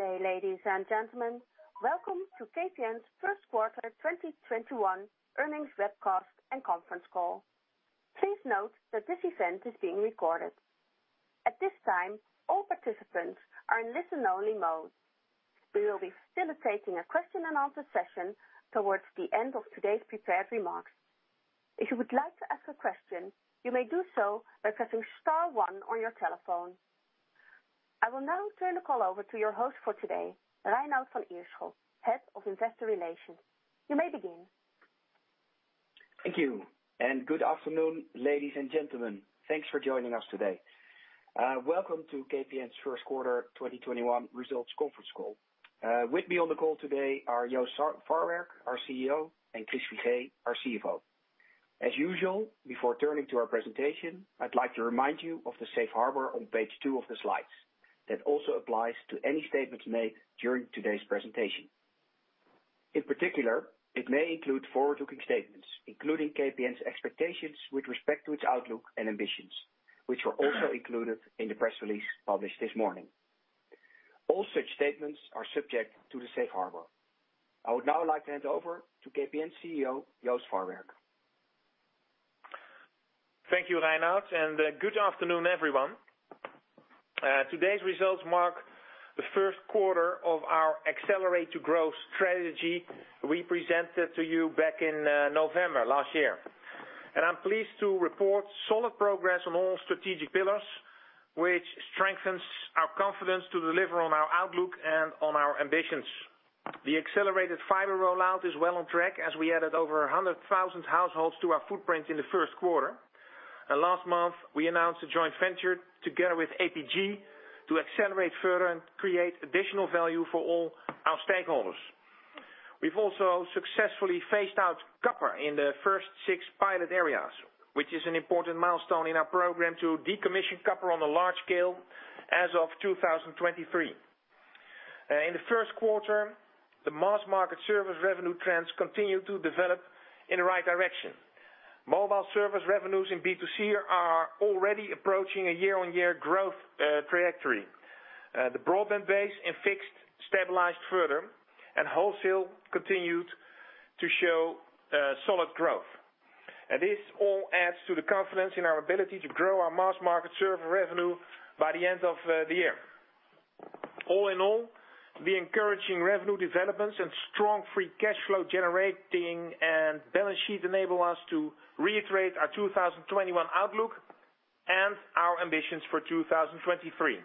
Good day, ladies and gentlemen. Welcome to KPN's first quarter 2021 earnings webcast and conference call. Please note that this event is being recorded. At this time, all participants are in listen-only mode. We will be facilitating a question and answer session towards the end of today's prepared remarks. If you would like to ask a question, you may do so by pressing star one on your telephone. I will now turn the call over to your host for today, Reinout van Ierschot, Head of Investor Relations. You may begin. Thank you. Good afternoon, ladies and gentlemen. Thanks for joining us today. Welcome to KPN's first quarter 2021 results conference call. With me on the call today are Joost Farwerck, our CEO, and Chris Figee, our CFO. As usual, before turning to our presentation, I'd like to remind you of the safe harbor on page two of the slides, that also applies to any statements made during today's presentation. In particular, it may include forward-looking statements, including KPN's expectations with respect to its outlook and ambitions, which were also included in the press release published this morning. All such statements are subject to the safe harbor. I would now like to hand over to KPN CEO, Joost Farwerck. Thank you, Reinout, and good afternoon, everyone. Today's results mark the first quarter of our Accelerate to Growth Strategy we presented to you back in November last year. I'm pleased to report solid progress on all strategic pillars, which strengthens our confidence to deliver on our outlook and on our ambitions. The accelerated fiber rollout is well on track as we added over 100,000 households to our footprint in the first quarter. Last month, we announced a joint venture together with APG to accelerate further and create additional value for all our stakeholders. We've also successfully phased out copper in the first six pilot areas, which is an important milestone in our program to decommission copper on a large scale as of 2023. In the first quarter, the mass market service revenue trends continued to develop in the right direction. Mobile service revenues in B2C are already approaching a year-on-year growth trajectory. The broadband base in fixed stabilized further, and wholesale continued to show solid growth. This all adds to the confidence in our ability to grow our mass market service revenue by the end of the year. All in all, the encouraging revenue developments and strong free cash flow generating and balance sheet enable us to reiterate our 2021 outlook and our ambitions for 2023.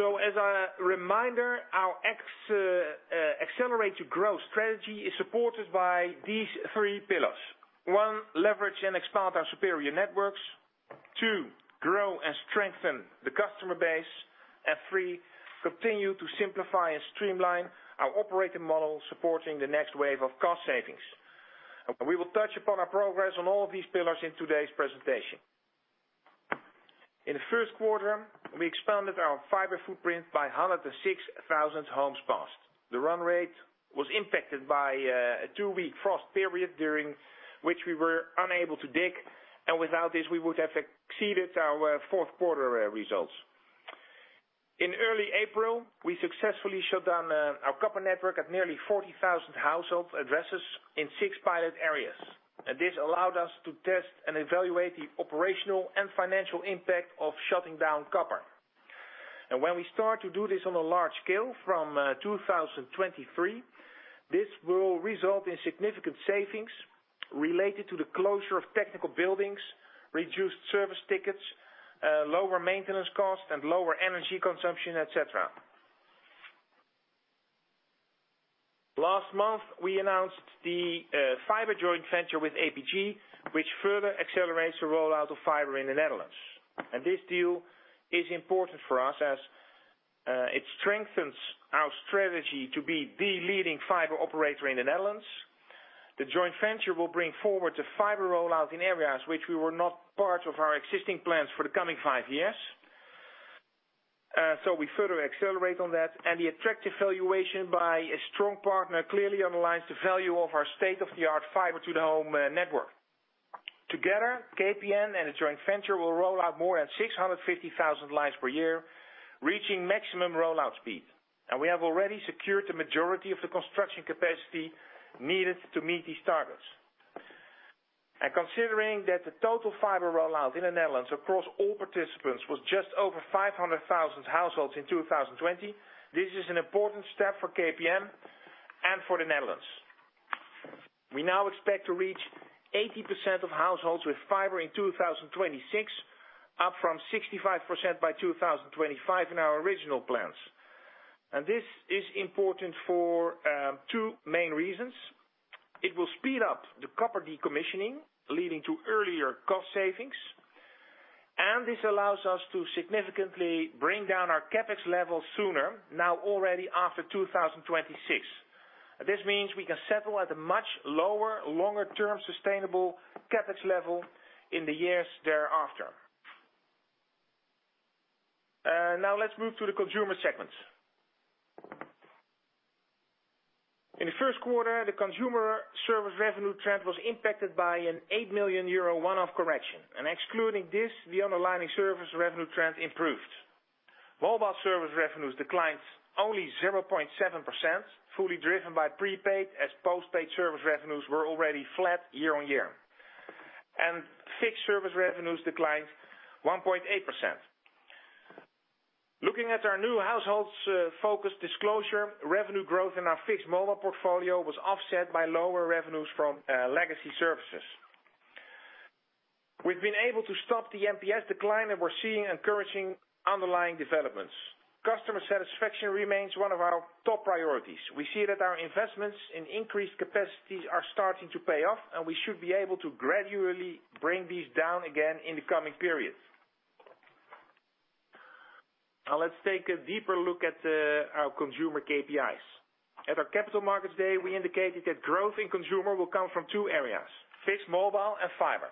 As a reminder, our accelerate to growth strategy is supported by these three pillars. One, leverage and expand our superior networks. Two, grow and strengthen the customer base. Three, continue to simplify and streamline our operating model supporting the next wave of cost savings. We will touch upon our progress on all of these pillars in today's presentation. In the first quarter, we expanded our fiber footprint by 106,000 homes passed. The run rate was impacted by a two-week frost period during which we were unable to dig, and without this, we would have exceeded our fourth quarter results. In early April, we successfully shut down our copper network at nearly 40,000 household addresses in six pilot areas. This allowed us to test and evaluate the operational and financial impact of shutting down copper. When we start to do this on a large scale from 2023, this will result in significant savings related to the closure of technical buildings, reduced service tickets, lower maintenance costs, and lower energy consumption, et cetera. Last month, we announced the fiber joint venture with APG, which further accelerates the rollout of fiber in the Netherlands. This deal is important for us as it strengthens our strategy to be the leading fiber operator in the Netherlands. The joint venture will bring forward the fiber rollout in areas which were not part of our existing plans for the coming five years. We further accelerate on that, and the attractive valuation by a strong partner clearly underlines the value of our state-of-the-art fiber to the home network. Together, KPN and the joint venture will roll out more than 650,000 lines per year, reaching maximum rollout speed. We have already secured the majority of the construction capacity needed to meet these targets. Considering that the total fiber rollout in the Netherlands across all participants was just over 500,000 households in 2020, this is an important step for KPN and for the Netherlands. We now expect to reach 80% of households with fiber in 2026, up from 65% by 2025 in our original plans. This is important for two main reasons. It will speed up the copper decommissioning, leading to earlier cost savings. This allows us to significantly bring down our CapEx levels sooner, now already after 2026. This means we can settle at a much lower, longer-term sustainable CapEx level in the years thereafter. Let's move to the consumer segment. In the first quarter, the consumer service revenue trend was impacted by an 8 million euro one-off correction. Excluding this, the underlying service revenue trend improved. Mobile service revenues declined only 0.7%, fully driven by prepaid as postpaid service revenues were already flat year-on-year. Fixed service revenues declined 1.8%. Looking at our new households focus disclosure, revenue growth in our fixed mobile portfolio was offset by lower revenues from legacy services. We've been able to stop the NPS decline. We're seeing encouraging underlying developments. Customer satisfaction remains one of our top priorities. We see that our investments in increased capacities are starting to pay off, and we should be able to gradually bring these down again in the coming periods. Now let's take a deeper look at our consumer KPIs. At our Capital Markets Day, we indicated that growth in consumer will come from two areas, fixed mobile and fiber.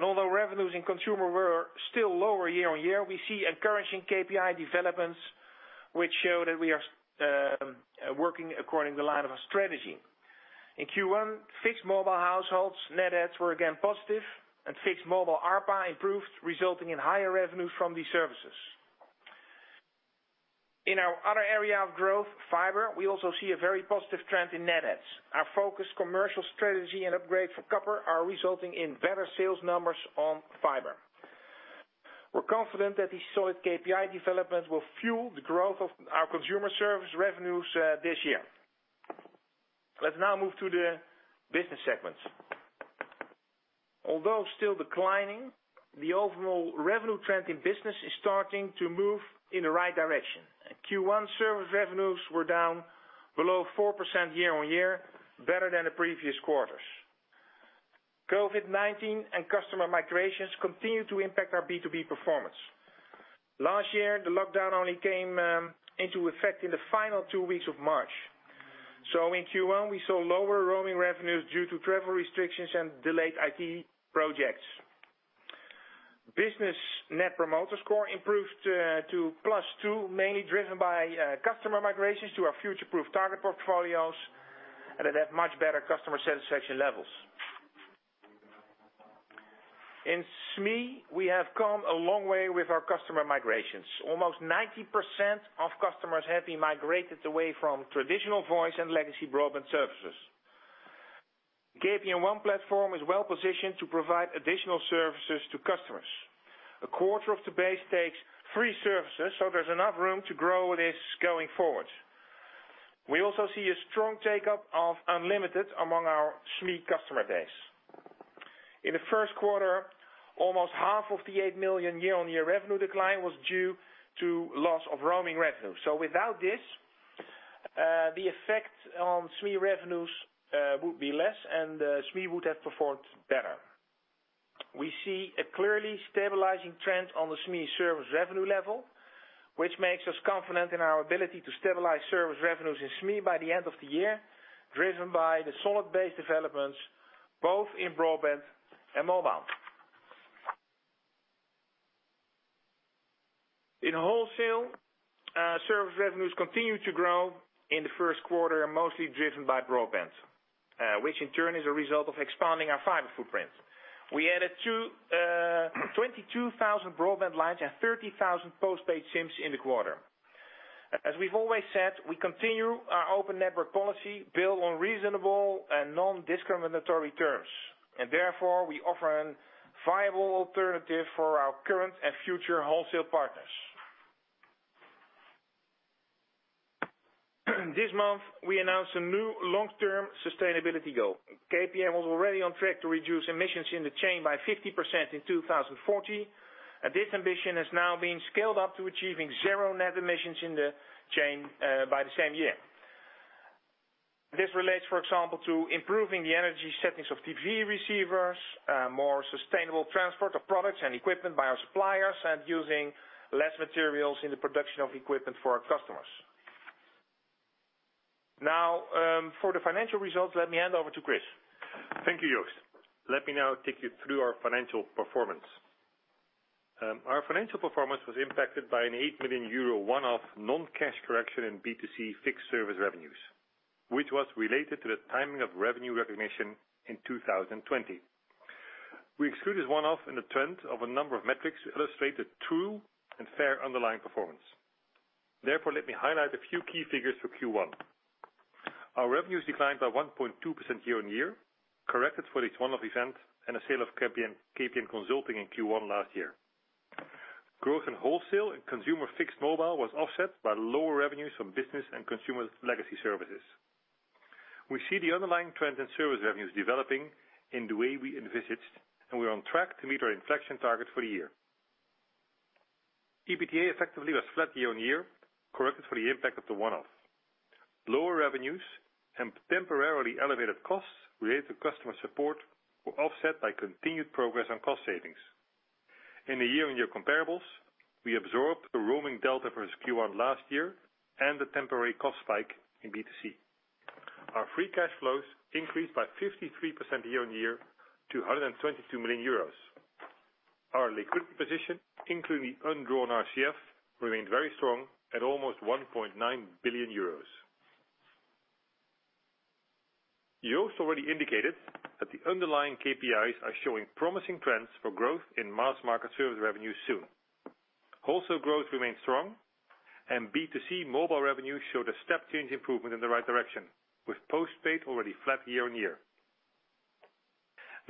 Although revenues in consumer were still lower year-on-year, we see encouraging KPI developments, which show that we are working according to line of a strategy. In Q1, fixed mobile households net adds were again positive and fixed mobile ARPA improved, resulting in higher revenues from these services. In our other area of growth, fiber, we also see a very positive trend in net adds. Our focused commercial strategy and upgrade for copper are resulting in better sales numbers on fiber. We're confident that the solid KPI development will fuel the growth of our consumer service revenues this year. Let's now move to the business segments. Although still declining, the overall revenue trend in business is starting to move in the right direction. In Q1, service revenues were down below 4% year-over-year, better than the previous quarters. COVID-19 and customer migrations continue to impact our B2B performance. Last year, the lockdown only came into effect in the final two weeks of March. In Q1, we saw lower roaming revenues due to travel restrictions and delayed IT projects. Business net promoter score improved to +2, mainly driven by customer migrations to our future-proof target portfolios, and that have much better customer satisfaction levels. In SME, we have come a long way with our customer migrations. Almost 90% of customers have been migrated away from traditional voice and legacy broadband services. The KPN EEN platform is well positioned to provide additional services to customers. A quarter of the base takes three services. There's enough room to grow this going forward. We also see a strong take-up of unlimited among our SME customer base. In the first quarter, almost half of the 8 million year-on-year revenue decline was due to loss of roaming revenue. Without this, the effect on SME revenues would be less, and SME would have performed better. We see a clearly stabilizing trend on the SME service revenue level, which makes us confident in our ability to stabilize service revenues in SME by the end of the year, driven by the solid base developments both in broadband and mobile. In wholesale, service revenues continued to grow in the first quarter, mostly driven by broadband, which in turn is a result of expanding our fiber footprint. We added 22,000 broadband lines and 30,000 postpaid SIMs in the quarter. As we've always said, we continue our open network policy built on reasonable and non-discriminatory terms, and therefore, we offer a viable alternative for our current and future wholesale partners. This month, we announced a new long-term sustainability goal. KPN was already on track to reduce emissions in the chain by 50% in 2040. This ambition has now been scaled up to achieving zero net emissions in the chain, by the same year. This relates, for example, to improving the energy settings of TV receivers, more sustainable transport of products and equipment by our suppliers, and using less materials in the production of equipment for our customers. Now, for the financial results, let me hand over to Chris. Thank you, Joost. Let me now take you through our financial performance. Our financial performance was impacted by an 8 million euro one-off non-cash correction in B2C fixed service revenues, which was related to the timing of revenue recognition in 2020. We exclude this one-off in the trend of a number of metrics to illustrate the true and fair underlying performance. Let me highlight a few key figures for Q1. Our revenues declined by 1.2% year-on-year, corrected for each one-off event and a sale of KPN Consulting in Q1 last year. Growth in wholesale and consumer fixed mobile was offset by lower revenues from business and consumer legacy services. We see the underlying trend in service revenues developing in the way we envisaged, and we're on track to meet our inflection target for the year. EBITDA effectively was flat year-on-year, corrected for the impact of the one-off. Lower revenues and temporarily elevated costs related to customer support were offset by continued progress on cost savings. In the year-on-year comparables, we absorbed a roaming delta versus Q1 last year and a temporary cost spike in B2C. Our free cash flows increased by 53% year-on-year to 122 million euros. Our liquidity position, including the undrawn RCF, remained very strong at almost 1.9 billion euros. Joost already indicated that the underlying KPIs are showing promising trends for growth in mass market service revenue soon. Wholesale growth remains strong, and B2C mobile revenue showed a step-change improvement in the right direction, with postpaid already flat year-on-year.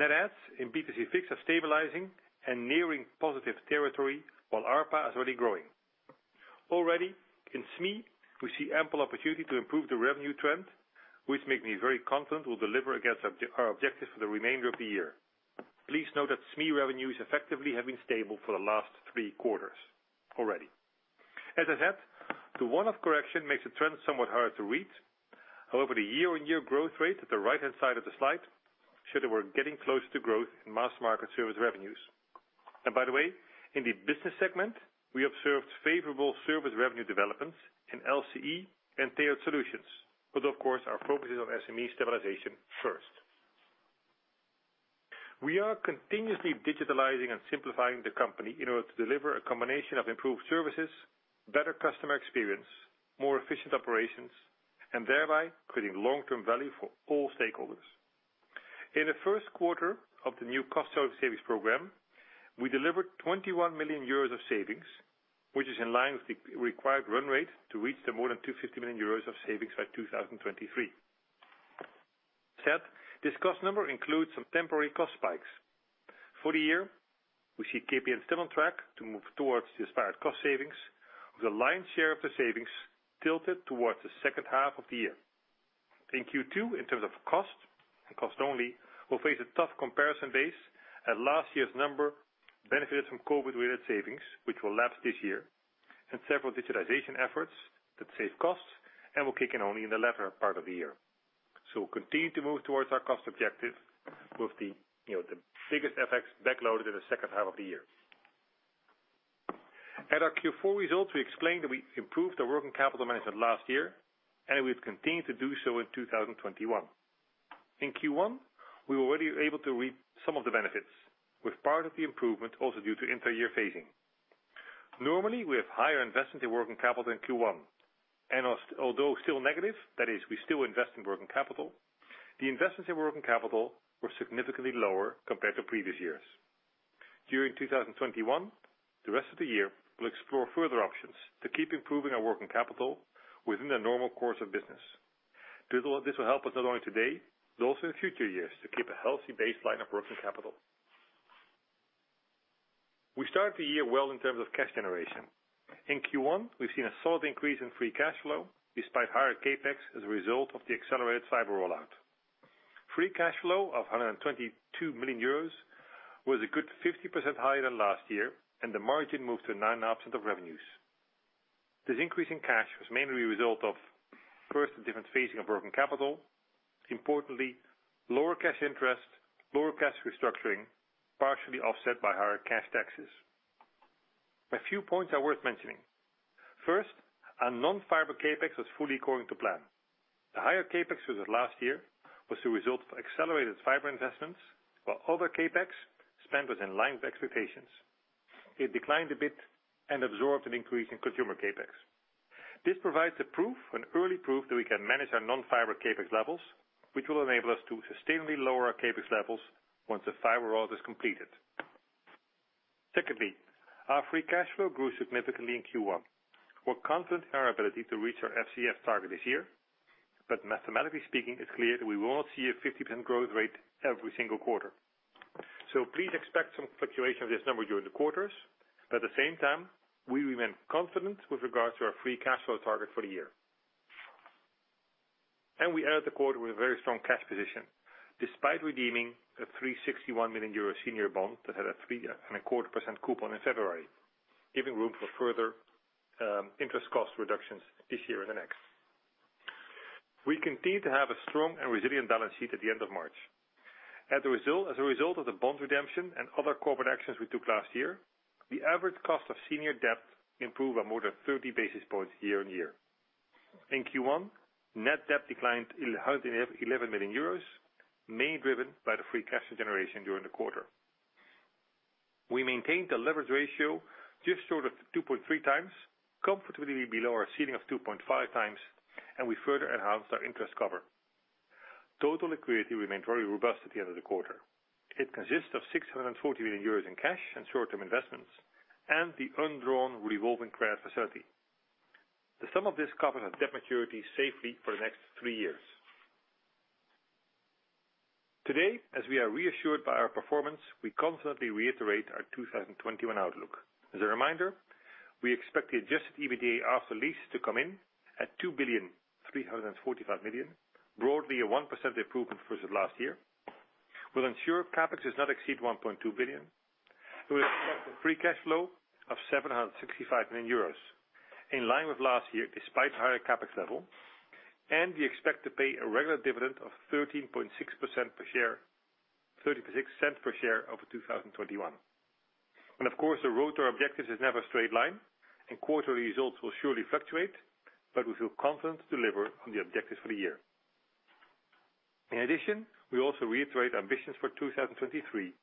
Net adds in B2C fixed are stabilizing and nearing positive territory, while ARPA is already growing. Already in SME, we see ample opportunity to improve the revenue trend, which makes me very confident we'll deliver against our objective for the remainder of the year. Please note that SME revenues effectively have been stable for the last three quarters already. As I said, the one-off correction makes the trend somewhat hard to read. However, the year-on-year growth rate at the right-hand side of the slide show that we're getting close to growth in mass market service revenues. By the way, in the business segment, we observed favorable service revenue developments in LCE and tailored solutions. Of course, our focus is on SME stabilization first. We are continuously digitalizing and simplifying the company in order to deliver a combination of improved services, better customer experience, more efficient operations, and thereby creating long-term value for all stakeholders. In the first quarter of the new cost service savings program, we delivered 21 million euros of savings, which is in line with the required run rate to reach the more than 250 million euros of savings by 2023. That said, this cost number includes some temporary cost spikes. For the year, we see KPN still on track to move towards the aspired cost savings with the lion's share of the savings tilted towards the second half of the year. In Q2, in terms of cost and cost only, we'll face a tough comparison base, and last year's number benefited from COVID-related savings, which will lapse this year, and several digitization efforts that save costs and will kick in only in the latter part of the year. We'll continue to move towards our cost objective with the biggest effects backloaded in the second half of the year. At our Q4 results, we explained that we improved our working capital management last year, and we've continued to do so in 2021. In Q1, we were already able to reap some of the benefits with part of the improvement also due to entire year phasing. Normally, we have higher investment in working capital in Q1. Although still negative, that is, we still invest in working capital, the investments in working capital were significantly lower compared to previous years. During 2021, the rest of the year, we'll explore further options to keep improving our working capital within the normal course of business. This will help us not only today but also in future years to keep a healthy baseline of working capital. We started the year well in terms of cash generation. In Q1, we've seen a solid increase in free cash flow despite higher CapEx as a result of the accelerated fiber rollout. Free cash flow of 122 million euros was a good 50% higher than last year, and the margin moved to 9% of revenues. This increase in cash was mainly a result of, first, the different phasing of working capital, importantly, lower cash interest, lower cash restructuring, partially offset by higher cash taxes. A few points are worth mentioning. First, our non-fiber CapEx was fully according to plan. The higher CapEx as of last year was the result of accelerated fiber investments, while other CapEx spend was in line with expectations. It declined a bit and absorbed an increase in consumer CapEx. This provides a proof, an early proof, that we can manage our non-fiber CapEx levels, which will enable us to sustainably lower our CapEx levels once the fiber roll is completed. Secondly, our free cash flow grew significantly in Q1. We are confident in our ability to reach our FCF target this year, but mathematically speaking, it's clear that we will not see a 50% growth rate every single quarter. Please expect some fluctuation of this number during the quarters. At the same time, we remain confident with regards to our free cash flow target for the year. We ended the quarter with a very strong cash position, despite redeeming a 361 million euro senior bond that had a 3.25% coupon in February, giving room for further interest cost reductions this year and the next. We continue to have a strong and resilient balance sheet at the end of March. As a result of the bond redemption and other corporate actions we took last year, the average cost of senior debt improved by more than 30 basis points year-on-year. In Q1, net debt declined 111 million euros, mainly driven by the free cash flow generation during the quarter. We maintained a leverage ratio just short of 2.3x, comfortably below our ceiling of 2.5x. We further enhanced our interest cover. Total liquidity remained very robust at the end of the quarter. It consists of 640 million euros in cash and short-term investments, and the undrawn revolving credit facility. The sum of this covers our debt maturities safely for the next three years. Today, as we are reassured by our performance, we confidently reiterate our 2021 outlook. As a reminder, we expect the adjusted EBITDA after lease to come in at 2.345 billion, broadly a 1% improvement versus last year. We'll ensure CapEx does not exceed 1.2 billion. We'll expect a free cash flow of 765 million euros, in line with last year despite higher CapEx level. We expect to pay a regular dividend of 0.136 per share over 2021. Of course, the road to our objectives is never a straight line, and quarterly results will surely fluctuate, but we feel confident to deliver on the objectives for the year. In addition, we also reiterate ambitions for 2023,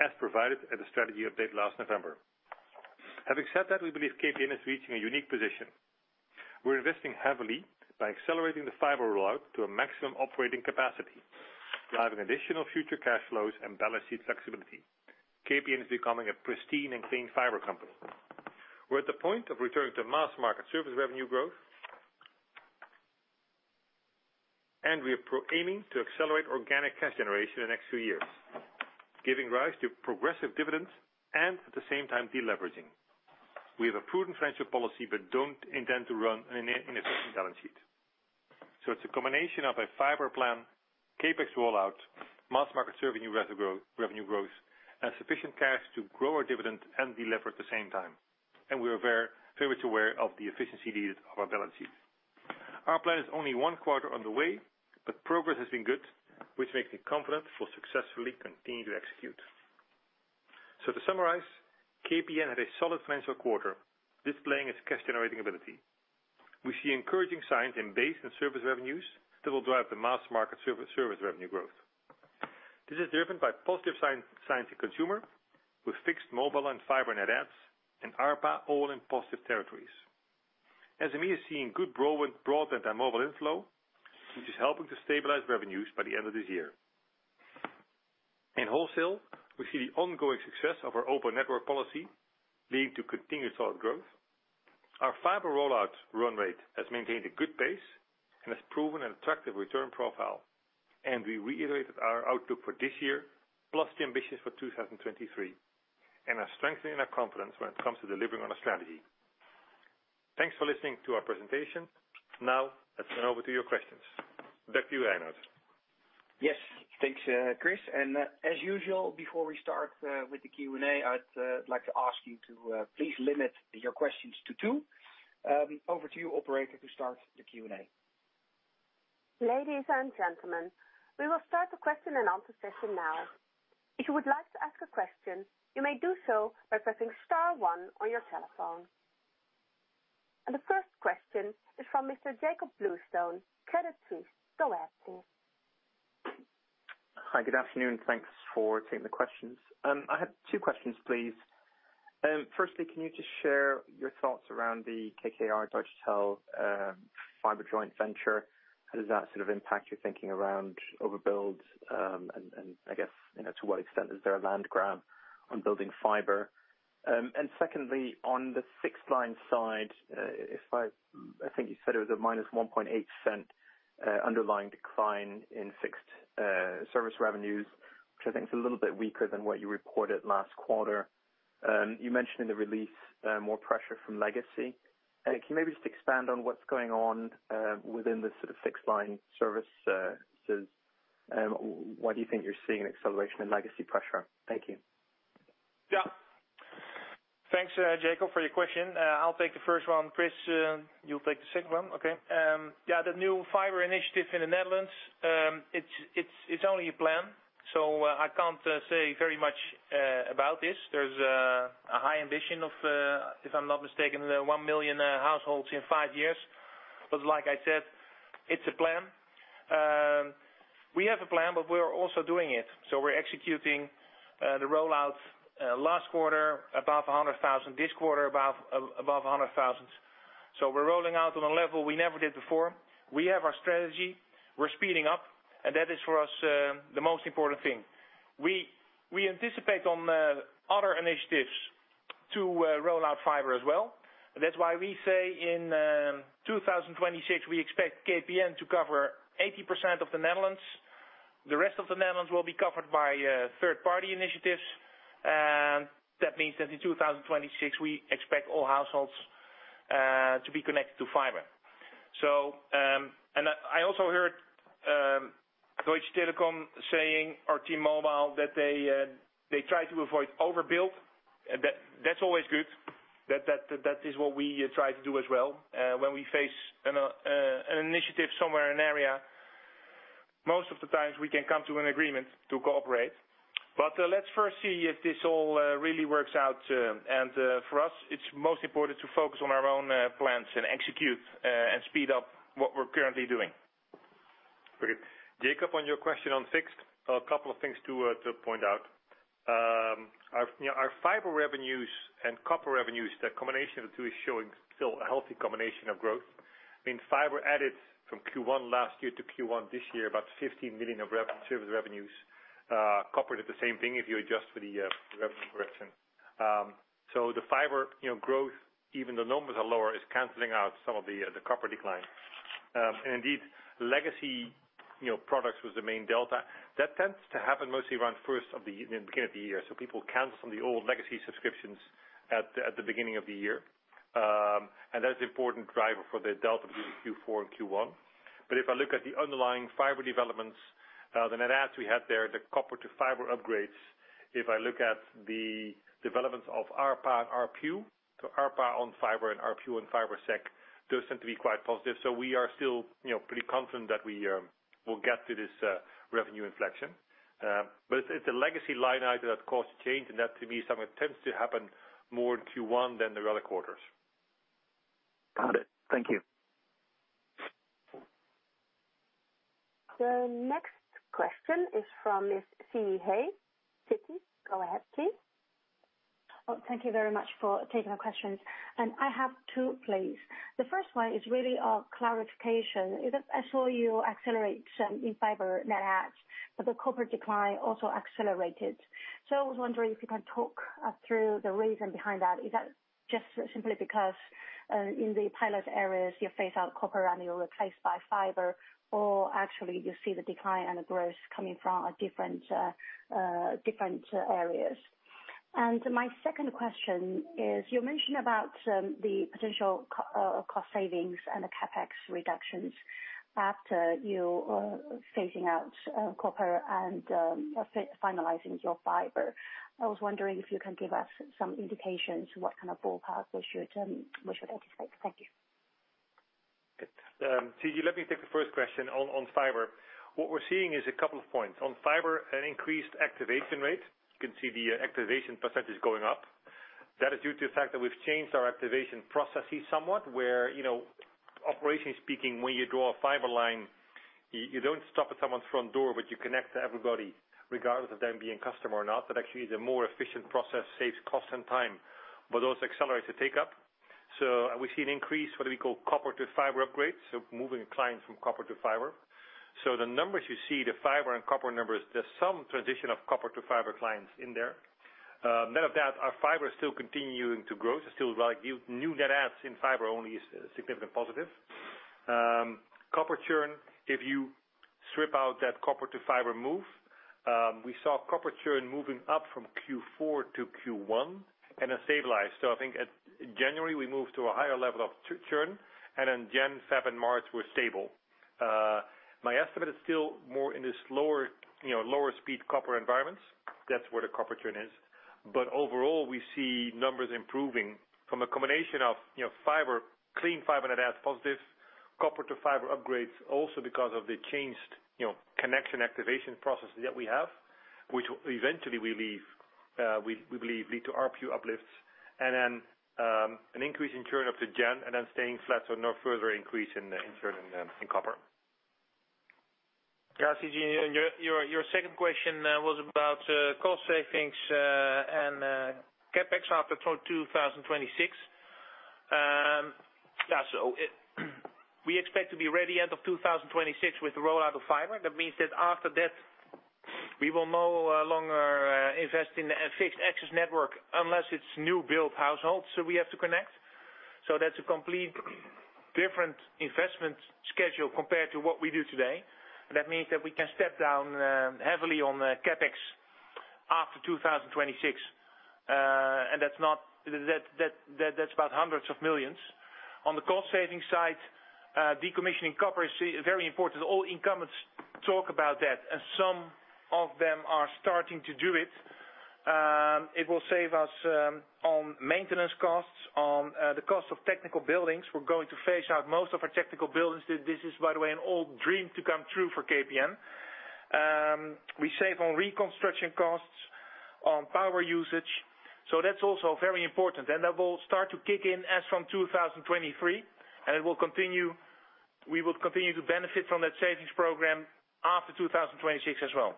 as provided at the strategy update last November. Having said that, we believe KPN is reaching a unique position. We're investing heavily by accelerating the fiber rollout to a maximum operating capacity, driving additional future cash flows and balance sheet flexibility. KPN is becoming a pristine and clean fiber company. We're at the point of returning to mass market service revenue growth, and we are aiming to accelerate organic cash generation in the next few years, giving rise to progressive dividends, and at the same time, de-leveraging. We have a prudent financial policy but don't intend to run an inefficient balance sheet. It's a combination of a fiber plan, CapEx rollout, mass market service revenue growth, and sufficient cash to grow our dividend and delever at the same time. We are very aware of the efficiency needed of our balance sheet. Our plan is only one quarter on the way, but progress has been good, which makes me confident we'll successfully continue to execute. To summarize, KPN had a solid financial quarter, displaying its cash-generating ability. We see encouraging signs in base and service revenues that will drive the mass market service revenue growth. This is driven by positive signs in consumer with fixed mobile and fiber net adds, and ARPA all in positive territories. SME is seeing good growth in broadband and mobile inflow, which is helping to stabilize revenues by the end of this year. In wholesale, we see the ongoing success of our open network policy leading to continued solid growth. Our fiber rollout run rate has maintained a good pace and has proven an attractive return profile. We reiterated our outlook for this year, plus the ambitions for 2023, and are strengthening our confidence when it comes to delivering on our strategy. Thanks for listening to our presentation. Now, let's turn over to your questions. Back to you, Reinout. Yes. Thanks, Chris. As usual, before we start with the Q&A, I'd like to ask you to please limit your questions to two. Over to you, operator, to start the Q&A. Ladies and gentlemen, we will start the question and answer session now. If you would like to ask a question, you may do so by pressing star one on your telephone. The first question is from Mr. Jakob Bluestone, Credit Suisse. Go ahead, please. Hi. Good afternoon. Thanks for taking the questions. I have two questions, please. Firstly, can you just share your thoughts around the KKR Deutsche Telekom fiber joint venture? How does that impact your thinking around overbuild? I guess, to what extent is there a land grab on building fiber? Secondly, on the fixed line side, I think you said it was a minus 0.018 underlying decline in fixed service revenues, which I think is a little bit weaker than what you reported last quarter. You mentioned in the release more pressure from legacy. Can you maybe just expand on what's going on within the fixed line services? Why do you think you're seeing an acceleration in legacy pressure? Thank you. Yeah. Thanks, Jakob, for your question. I'll take the first one. Chris, you'll take the second one. Okay. Yeah, the new fiber initiative in the Netherlands, it's only a plan. I can't say very much about this. There's a high ambition of, if I'm not mistaken, 1 million households in five years. Like I said, it's a plan. We have a plan, but we're also doing it. We're executing the rollout last quarter above 100,000 this quarter above 100,000. We're rolling out on a level we never did before. We have our strategy. We're speeding up, and that is for us the most important thing. We anticipate on other initiatives to roll out fiber as well. That's why we say in 2026, we expect KPN to cover 80% of the Netherlands. The rest of the Netherlands will be covered by third-party initiatives. That means that in 2026, we expect all households to be connected to fiber. I also heard Deutsche Telekom saying our T-Mobile, that they try to avoid overbuild. That's always good. That is what we try to do as well. When we face an initiative somewhere in an area, most of the times we can come to an agreement to cooperate. Let's first see if this all really works out. For us, it's most important to focus on our own plans and execute and speed up what we're currently doing. Very good. Jakob, on your question on fixed, a couple of things to point out. Our fiber revenues and copper revenues, the combination of the two is showing still a healthy combination of growth. I mean, fiber added from Q1 last year to Q1 this year, about 15 million of service revenues. Copper did the same thing if you adjust for the revenue correction. The fiber growth, even the numbers are lower, is canceling out some of the copper decline. Indeed, legacy products was the main delta. That tends to happen mostly around first of the beginning of the year. People cancel some of the old legacy subscriptions at the beginning of the year. That's an important driver for the delta between Q4 and Q1. If I look at the underlying fiber developments, the net adds we had there, the copper to fiber upgrades, if I look at the developments of ARPA and ARPU, ARPA on fiber and ARPU on fiber sec, those tend to be quite positive. We are still pretty confident that we will get to this revenue inflection. It's a legacy line item that costs change, and that to me, somewhat tends to happen more in Q1 than the other quarters. Got it. Thank you. The next question is from Miss Siyi He, Citi. Go ahead, please. Thank you very much for taking the questions. I have two, please. The first one is really a clarification. I saw you accelerate in fiber net adds, the corporate decline also accelerated. I was wondering if you can talk through the reason behind that. Is that just simply because, in the pilot areas, you phase out copper and you replace by fiber? Actually you see the decline and the growth coming from different areas? My second question is, you mentioned about the potential cost savings and the CapEx reductions after you phasing out copper and finalizing your fiber. I was wondering if you can give us some indications what kind of ballpark we should anticipate. Thank you. Good. Siyi, let me take the first question on fiber. What we're seeing is a couple of points. On fiber, an increased activation rate. You can see the activation percent going up. That is due to the fact that we've changed our activation processes somewhat, where, operationally speaking, when you draw a fiber line, you don't stop at someone's front door, but you connect to everybody regardless of them being customer or not. That actually is a more efficient process, saves cost and time, but also accelerates the take-up. We see an increase, what we call copper to fiber upgrades, so moving a client from copper to fiber. The numbers you see, the fiber and copper numbers, there's some transition of copper to fiber clients in there. Net of that, our fiber is still continuing to grow. It's still new net adds in fiber only is a significant positive. Copper churn, if you strip out that copper to fiber move, we saw copper churn moving up from Q4 to Q1 and then stabilize. I think in January, we moved to a higher level of churn, and then January, February, and March were stable. My estimate is still more in this lower speed copper environments. That's where the copper churn is. Overall, we see numbers improving from a combination of clean fiber net adds positive, copper to fiber upgrades, also because of the changed connection activation processes that we have, which eventually we believe lead to ARPU uplifts. Then an increase in churn up to January, and then staying flat, so no further increase in churn in copper. Siyi, and your second question was about cost savings and CapEx after 2026. We expect to be ready end of 2026 with the rollout of fiber. That means that after that, we will no longer invest in a fixed access network unless it's new build households who we have to connect. That's a complete different investment schedule compared to what we do today. That means that we can step down heavily on CapEx after 2026. That's about hundreds of millions EUR. On the cost saving side, decommissioning copper is very important. All incumbents talk about that, and some of them are starting to do it. It will save us on maintenance costs, on the cost of technical buildings. We're going to phase out most of our technical buildings. This is, by the way, an old dream to come true for KPN. We save on reconstruction costs, on power usage. That's also very important. That will start to kick in as from 2023, and we will continue to benefit from that savings program after 2026 as well.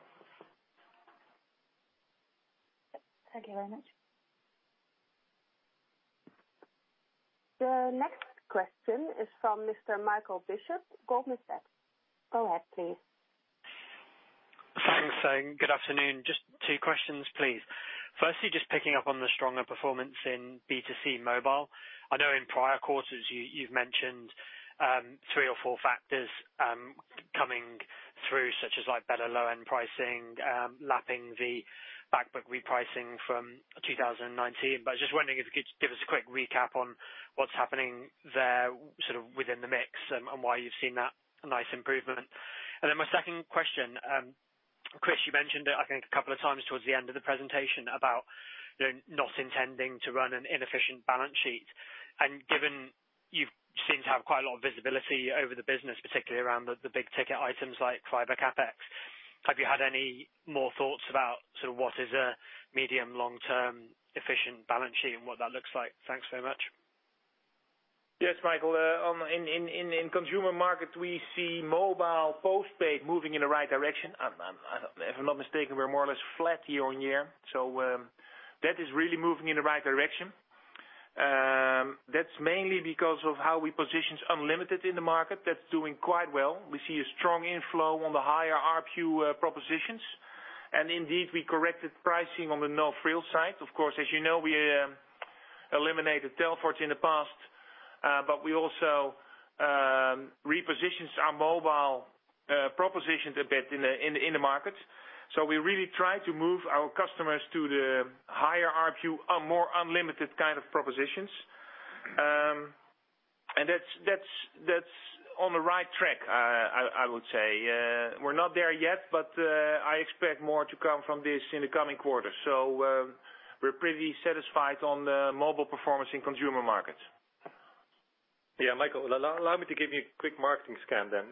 Thank you very much. The next question is from Mr. Michael Bishop, Goldman Sachs. Go ahead, please. Thanks. Good afternoon. Just two questions, please. Firstly, just picking up on the stronger performance in B2C mobile. I know in prior quarters you've mentioned three or four factors coming through, such as better low-end pricing, lapping the back book repricing from 2019. I was just wondering if you could give us a quick recap on what's happening there within the mix and why you've seen that nice improvement. My second question. Chris, you mentioned it, I think, a couple of times towards the end of the presentation about not intending to run an inefficient balance sheet. Given you seem to have quite a lot of visibility over the business, particularly around the big ticket items like fiber CapEx, have you had any more thoughts about what is a medium, long-term efficient balance sheet and what that looks like? Thanks very much. Yes, Michael. In consumer markets, we see mobile postpaid moving in the right direction. If I'm not mistaken, we're more or less flat year-on-year. That is really moving in the right direction. That's mainly because of how we positioned unlimited in the market. That's doing quite well. We see a strong inflow on the higher ARPU propositions. Indeed, we corrected pricing on the no-frills side. Of course, as you know, we eliminated Telfort in the past. We also repositioned our mobile propositions a bit in the market. We really try to move our customers to the higher ARPU, more unlimited kind of propositions. That's on the right track, I would say. We're not there yet, but I expect more to come from this in the coming quarters. We're pretty satisfied on the mobile performance in consumer markets. Yeah, Michael, allow me to give you a quick marketing scan then.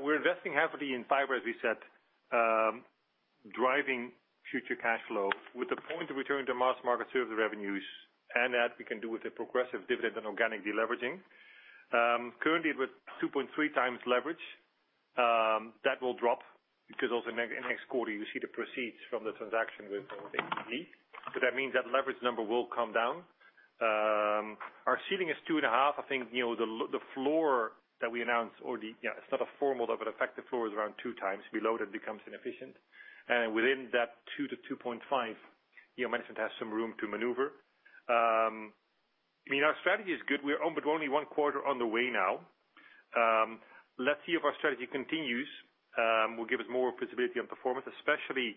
We're investing heavily in fiber, as we said. Driving future cash flow with the point of return to mass market service revenues, and that we can do with a progressive dividend and organic deleveraging. Currently with 2.3x leverage, that will drop because also next quarter you see the proceeds from the transaction with HKLease. That means that leverage number will come down. Our ceiling is 2.5x. I think the floor that we announced, it's not a formal, but effective floor is around 2x. Below that becomes inefficient. Within that 2x-2.5x, management has some room to maneuver. Our strategy is good. We're only one quarter on the way now. Let's see if our strategy continues. Will give us more visibility on performance, especially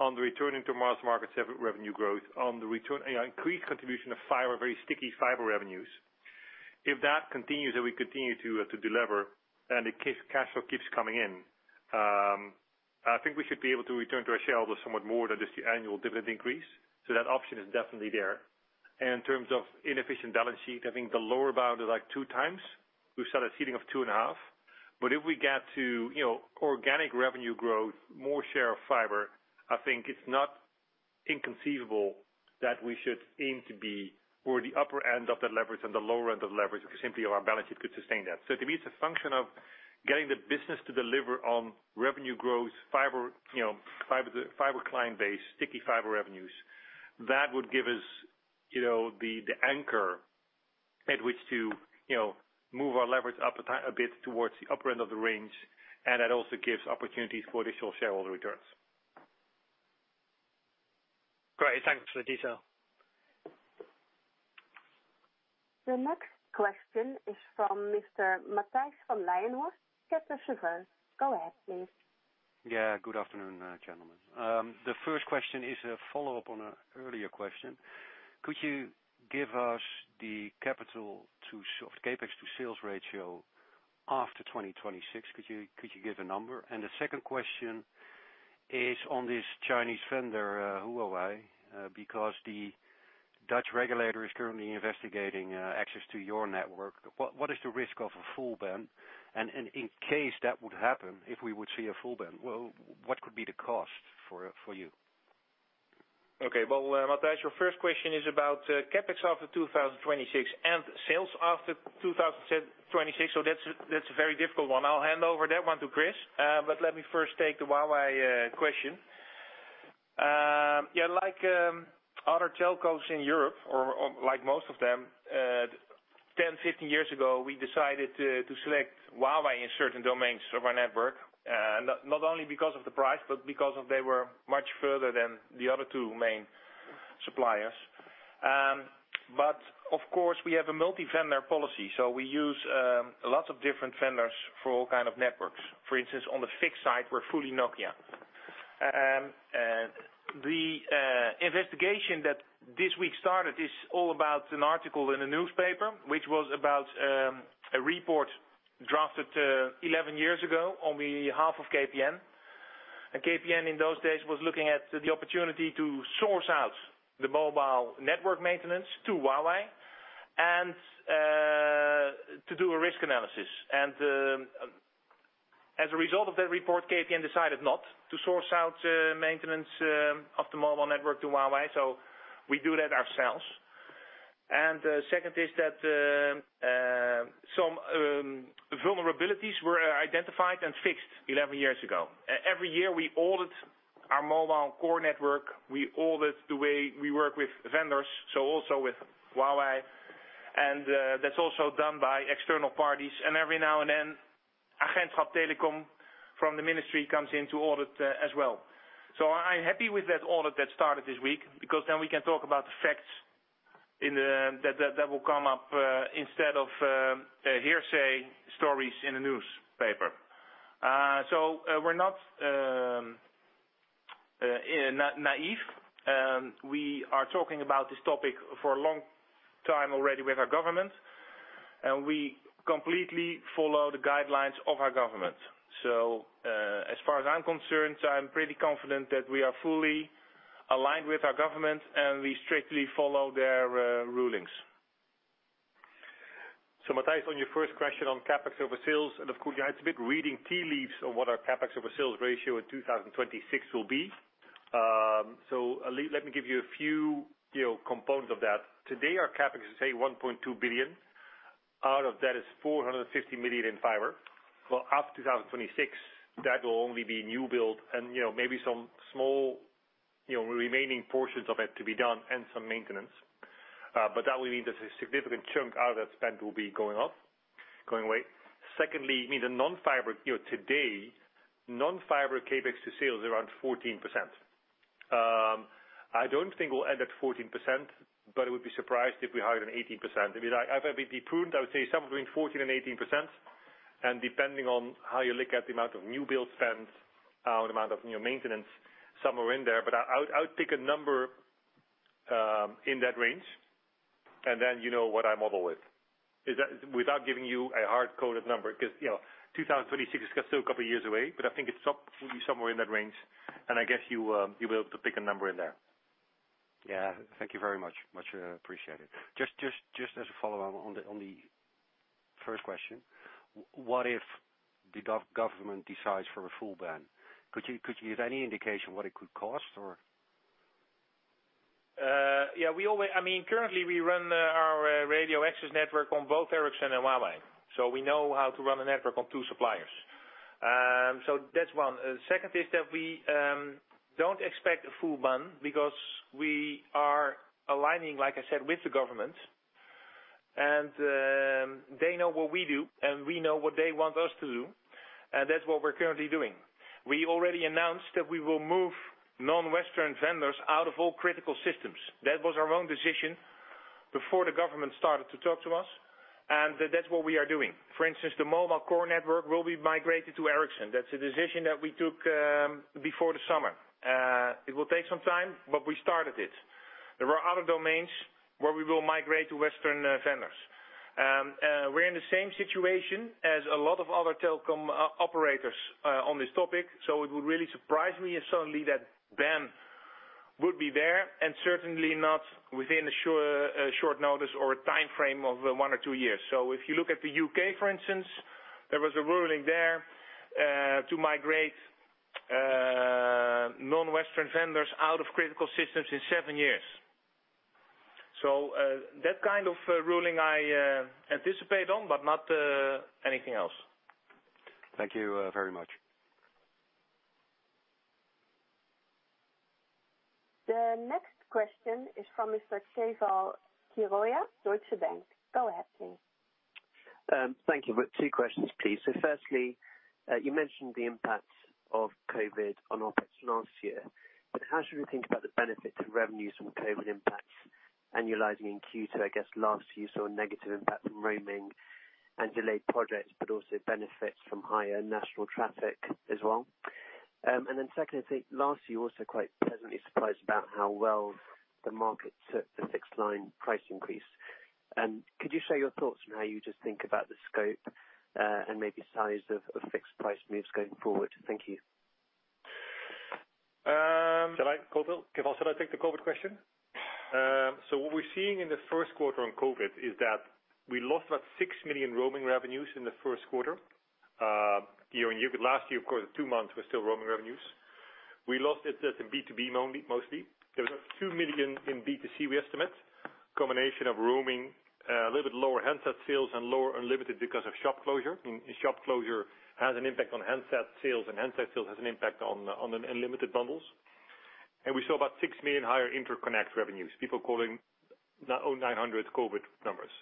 on the return into mass market revenue growth, on the increased contribution of fiber, very sticky fiber revenues. If that continues, and we continue to delever, and the cash flow keeps coming in, I think we should be able to return to our shareholders somewhat more than just the annual dividend increase. That option is definitely there. In terms of inefficient balance sheet, I think the lower bound is 2x. We set a ceiling of 2.5x. If we get to organic revenue growth, more share of fiber, I think it's not inconceivable that we should aim to be for the upper end of that leverage and the lower end of leverage because simply our balance sheet could sustain that. To me, it's a function of getting the business to deliver on revenue growth, fiber client base, sticky fiber revenues. That would give us the anchor at which to move our leverage up a bit towards the upper end of the range, and that also gives opportunities for additional shareholder returns. Great. Thanks for the detail. The next question is from Mr. Matthijs van Leijenhorst, Kepler Cheuvreux. Go ahead, please. Yeah, good afternoon, gentlemen. The first question is a follow-up on an earlier question. Could you give us the CapEx to sales ratio after 2026? Could you give a number? The second question is on this Chinese vendor, Huawei, because the Dutch regulator is currently investigating access to your network. What is the risk of a full ban? In case that would happen, if we would see a full ban, what could be the cost for you? Okay. Well, Matthijs, your first question is about CapEx after 2026 and sales after 2026. That's a very difficult one. I'll hand over that one to Chris, let me first take the Huawei question. Like other telcos in Europe or like most of them, 10, 15 years ago, we decided to select Huawei in certain domains of our network, not only because of the price, but because they were much further than the other two main suppliers. Of course, we have a multi-vendor policy, we use lots of different vendors for all kind of networks. For instance, on the fixed side, we're fully Nokia. The investigation that this week started is all about an article in a newspaper, which was about a report drafted 11 years ago on behalf of KPN. KPN in those days was looking at the opportunity to source out the mobile network maintenance to Huawei and to do a risk analysis. As a result of that report, KPN decided not to source out maintenance of the mobile network to Huawei. We do that ourselves. The second is that some vulnerabilities were identified and fixed 11 years ago. Every year, we audit our mobile core network. We audit the way we work with vendors, so also with Huawei. That's also done by external parties. Every now and then, Agentschap Telecom from the Ministry comes in to audit as well. I'm happy with that audit that started this week because then we can talk about the facts that will come up instead of hearsay stories in the newspaper. We're not naive. We are talking about this topic for a long time already with our government. We completely follow the guidelines of our government. As far as I'm concerned, I'm pretty confident that we are fully aligned with our government, and we strictly follow their rulings. Matthijs on your first question on CapEx over sales, and of course, it's a bit reading tea leaves on what our CapEx over sales ratio in 2026 will be. Let me give you a few components of that. Today, our CapEx is, say, 1.2 billion. Out of that is 450 million in fiber. After 2026, that will only be new build and maybe some small remaining portions of it to be done and some maintenance. That will mean there's a significant chunk out of that spend will be going away. Secondly, the non-fiber. Today, non-fiber CapEx to sales is around 14%. I don't think we'll end at 14%, but I would be surprised if we hit an 18%. If I had to be prudent, I would say somewhere between 14% and 18%, and depending on how you look at the amount of new build spend, the amount of maintenance somewhere in there. I would pick a number in that range, and then you know what I model with. Without giving you a hard-coded number, because 2026 is still a couple of years away, but I think it's absolutely somewhere in that range, and I guess you'll be able to pick a number in there. Yeah. Thank you very much. Much appreciated. Just as a follow-on on the first question, what if the government decides for a full ban? Could you give any indication what it could cost or? Currently, we run our radio access network on both Ericsson and Huawei, so we know how to run a network on two suppliers. That's one. The second is that we don't expect a full ban because we are aligning, like I said, with the government. They know what we do, and we know what they want us to do, and that's what we're currently doing. We already announced that we will move non-Western vendors out of all critical systems. That was our own decision before the government started to talk to us, and that's what we are doing. For instance, the mobile core network will be migrated to Ericsson. That's a decision that we took before the summer. It will take some time, but we started it. There are other domains where we will migrate to Western vendors. We're in the same situation as a lot of other telecom operators on this topic, so it would really surprise me if suddenly that ban would be there, and certainly not within a short notice or a timeframe of one or two years. If you look at the U.K., for instance, there was a ruling there to migrate non-Western vendors out of critical systems in seven years. That kind of ruling I anticipate on, but not anything else. Thank you very much. The next question is from Mr. Keval Khiroya, Deutsche Bank. Go ahead, please. Thank you. Two questions, please. Firstly, you mentioned the impact of COVID on operations last year, but how should we think about the benefit to revenues from COVID impacts annualizing in Q2? I guess last year, you saw a negative impact from roaming and delayed projects, but also benefits from higher national traffic as well. Secondly, I think last year you were also quite pleasantly surprised about how well the market took the fixed line price increase. Could you share your thoughts on how you just think about the scope, and maybe size of fixed price moves going forward? Thank you. Keval, should I take the COVID question? What we're seeing in the first quarter on COVID is that we lost about 6 million roaming revenues in the first quarter. Last year, of course, two months were still roaming revenues. We lost it in B2B mostly. We got 2 million in B2C, we estimate. Combination of roaming, a little bit lower handset sales, and lower unlimited because of shop closure. Shop closure has an impact on handset sales, and handset sales has an impact on the unlimited bundles. We saw about 6 million higher interconnect revenues, people calling 0900 COVID numbers.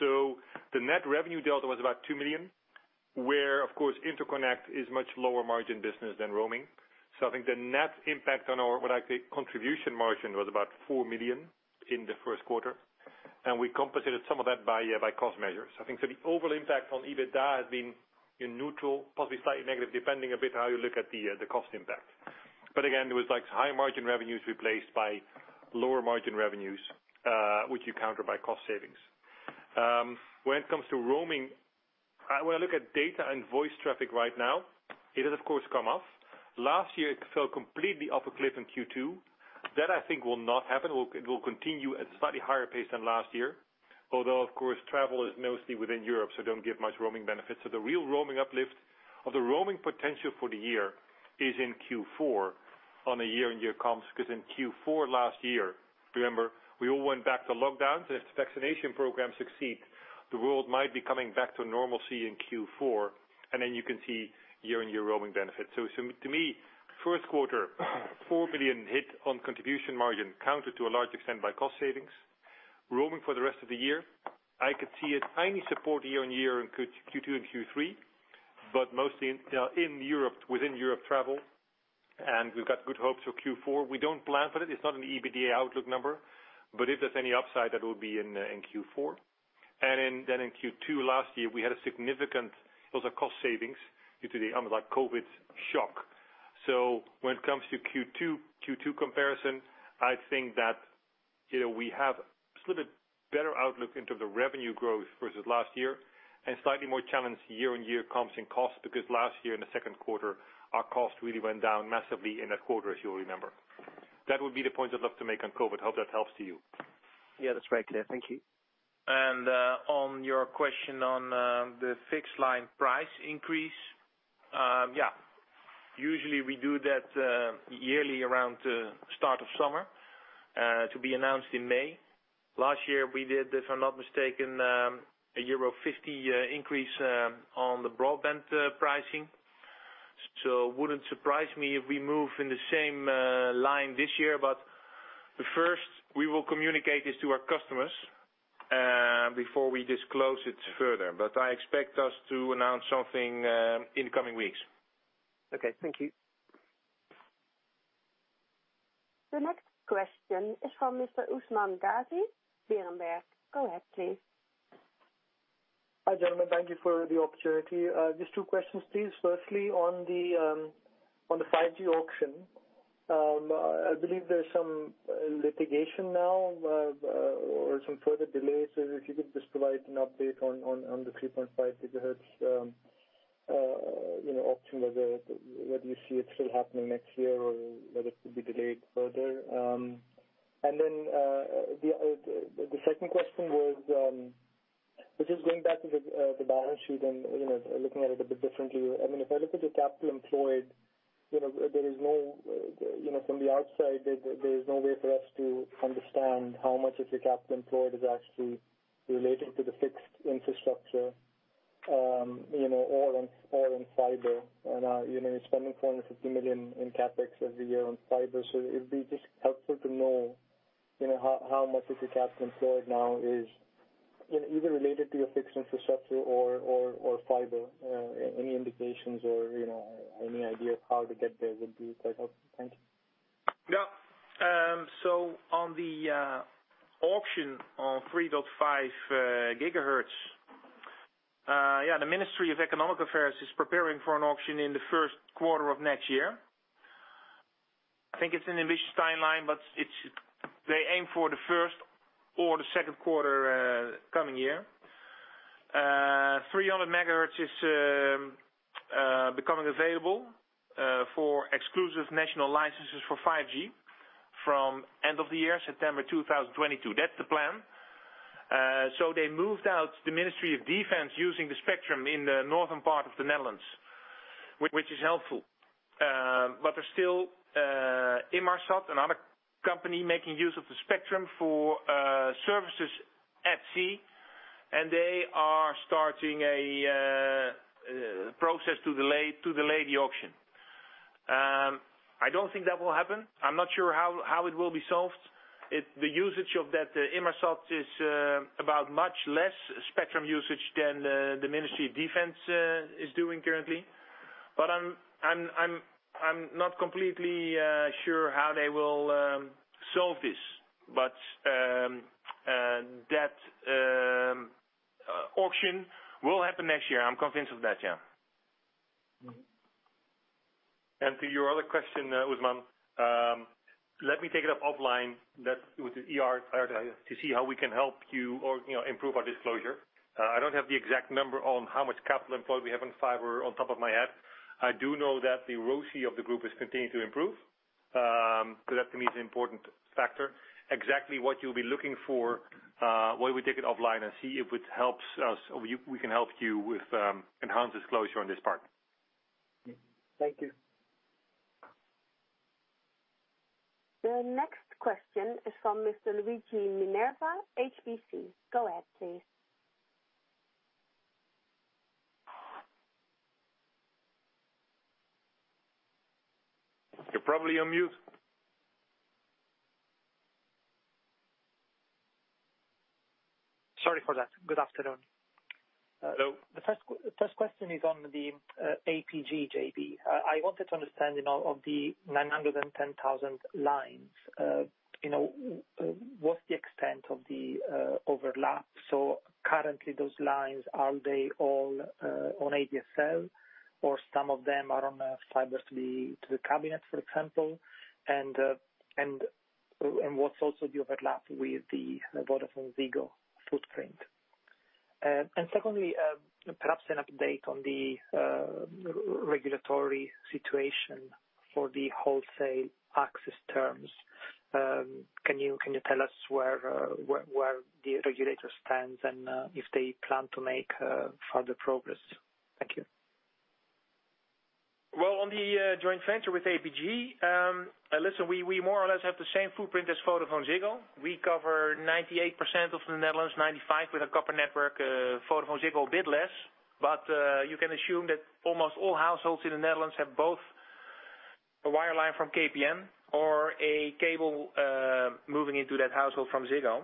The net revenue delta was about 2 million, where, of course, interconnect is much lower margin business than roaming. I think the net impact on our, what I'd say, contribution margin was about 4 million in the first quarter, and we compensated some of that by cost measures. The overall impact on EBITDA has been neutral, possibly slightly negative, depending a bit how you look at the cost impact. Again, it was high margin revenues replaced by lower margin revenues, which you counter by cost savings. When it comes to roaming, when I look at data and voice traffic right now, it has of course come off. Last year, it fell completely off a cliff in Q2. That I think will not happen. It will continue at a slightly higher pace than last year, although, of course, travel is mostly within Europe, don't give much roaming benefits. The real roaming uplift or the roaming potential for the year is in Q4 on a year-on-year comps, because in Q4 last year, remember, we all went back to lockdowns. If the vaccination programs succeed, the world might be coming back to normalcy in Q4, then you can see year-on-year roaming benefits. To me, first quarter, 4 million hit on contribution margin, countered to a large extent by cost savings. Roaming for the rest of the year, I could see a tiny support year-on-year in Q2 and Q3, but mostly within Europe travel. We've got good hopes for Q4. It's not an EBITDA outlook number. If there's any upside, that will be in Q4. In Q2 last year, we had cost savings due to the COVID shock. When it comes to Q2 comparison, I think that we have a slightly better outlook in terms of revenue growth versus last year, and slightly more challenged year-on-year comps in cost because last year in the second quarter, our cost really went down massively in that quarter, as you will remember. That would be the point I would love to make on COVID. Hope that helps to you. Yeah, that's very clear. Thank you. On your question on the fixed line price increase. Yeah. Usually, we do that yearly around the start of summer, to be announced in May. Last year, we did, if I'm not mistaken, a euro 50 increase on the broadband pricing. Wouldn't surprise me if we move in the same line this year, but first, we will communicate this to our customers before we disclose it further. I expect us to announce something in the coming weeks. Okay. Thank you. The next question is from Mr. Usman Ghazi, Berenberg. Go ahead, please. Hi, gentlemen. Thank you for the opportunity. Just two questions, please. Firstly, on the 5G auction. I believe there's some litigation now or some further delays. If you could just provide an update on the 3.5 GHz auction, whether you see it still happening next year or whether it will be delayed further. The second question was just going back to the balance sheet and looking at it a bit differently. If I look at the capital employed, from the outside, there is no way for us to understand how much of your capital employed is actually related to the fixed infrastructure or in fiber. You're spending 450 million in CapEx every year on fiber. It'd be just helpful to know how much of your capital employed now is either related to your fixed infrastructure or fiber. Any indications or any idea of how to get there would be quite helpful. Thank you. On the auction on 3.5 GHz, yeah, the Ministry of Economic Affairs is preparing for an auction in the first quarter of next year. I think it's an ambitious timeline, they aim for the first or the second quarter coming year. 300 MHz is becoming available for exclusive national licenses for 5G from end of the year, September 2022. That's the plan. They moved out the Ministry of Defence using the spectrum in the northern part of the Netherlands, which is helpful. There's still Inmarsat, another company making use of the spectrum for services at sea, and they are starting a process to delay the auction. I don't think that will happen. I'm not sure how it will be solved. The usage of that Inmarsat is about much less spectrum usage than the Ministry of Defence is doing currently. I'm not completely sure how they will solve this. That auction will happen next year. I'm convinced of that, yeah. To your other question, Usman, let me take it up offline with the IR to see how we can help you or improve our disclosure. I don't have the exact number on how much capital employed we have in fiber on top of my head. I do know that the ROCE of the group is continuing to improve. That, to me, is an important factor. Exactly what you'll be looking for, why we take it offline and see if it helps us, or we can help you with enhanced disclosure on this part. Thank you. The next question is from Mr. Luigi Minerva, HSBC. Go ahead, please. You're probably on mute. Sorry for that. Good afternoon. Hello. The first question is on the APG JV. I wanted to understand of the 910,000 lines, what's the extent of the overlap? Currently those lines, are they all on ADSL or some of them are on fiber to the cabinet, for example? What's also the overlap with the VodafoneZiggo footprint? Secondly, perhaps an update on the regulatory situation for the wholesale access terms. Can you tell us where the regulator stands and if they plan to make further progress? Thank you. Well, on the joint venture with APG, listen, we more or less have the same footprint as VodafoneZiggo. We cover 98% of the Netherlands, 95% with a copper network. VodafoneZiggo a bit less. You can assume that almost all households in the Netherlands have both a wireline from KPN or a cable moving into that household from Ziggo.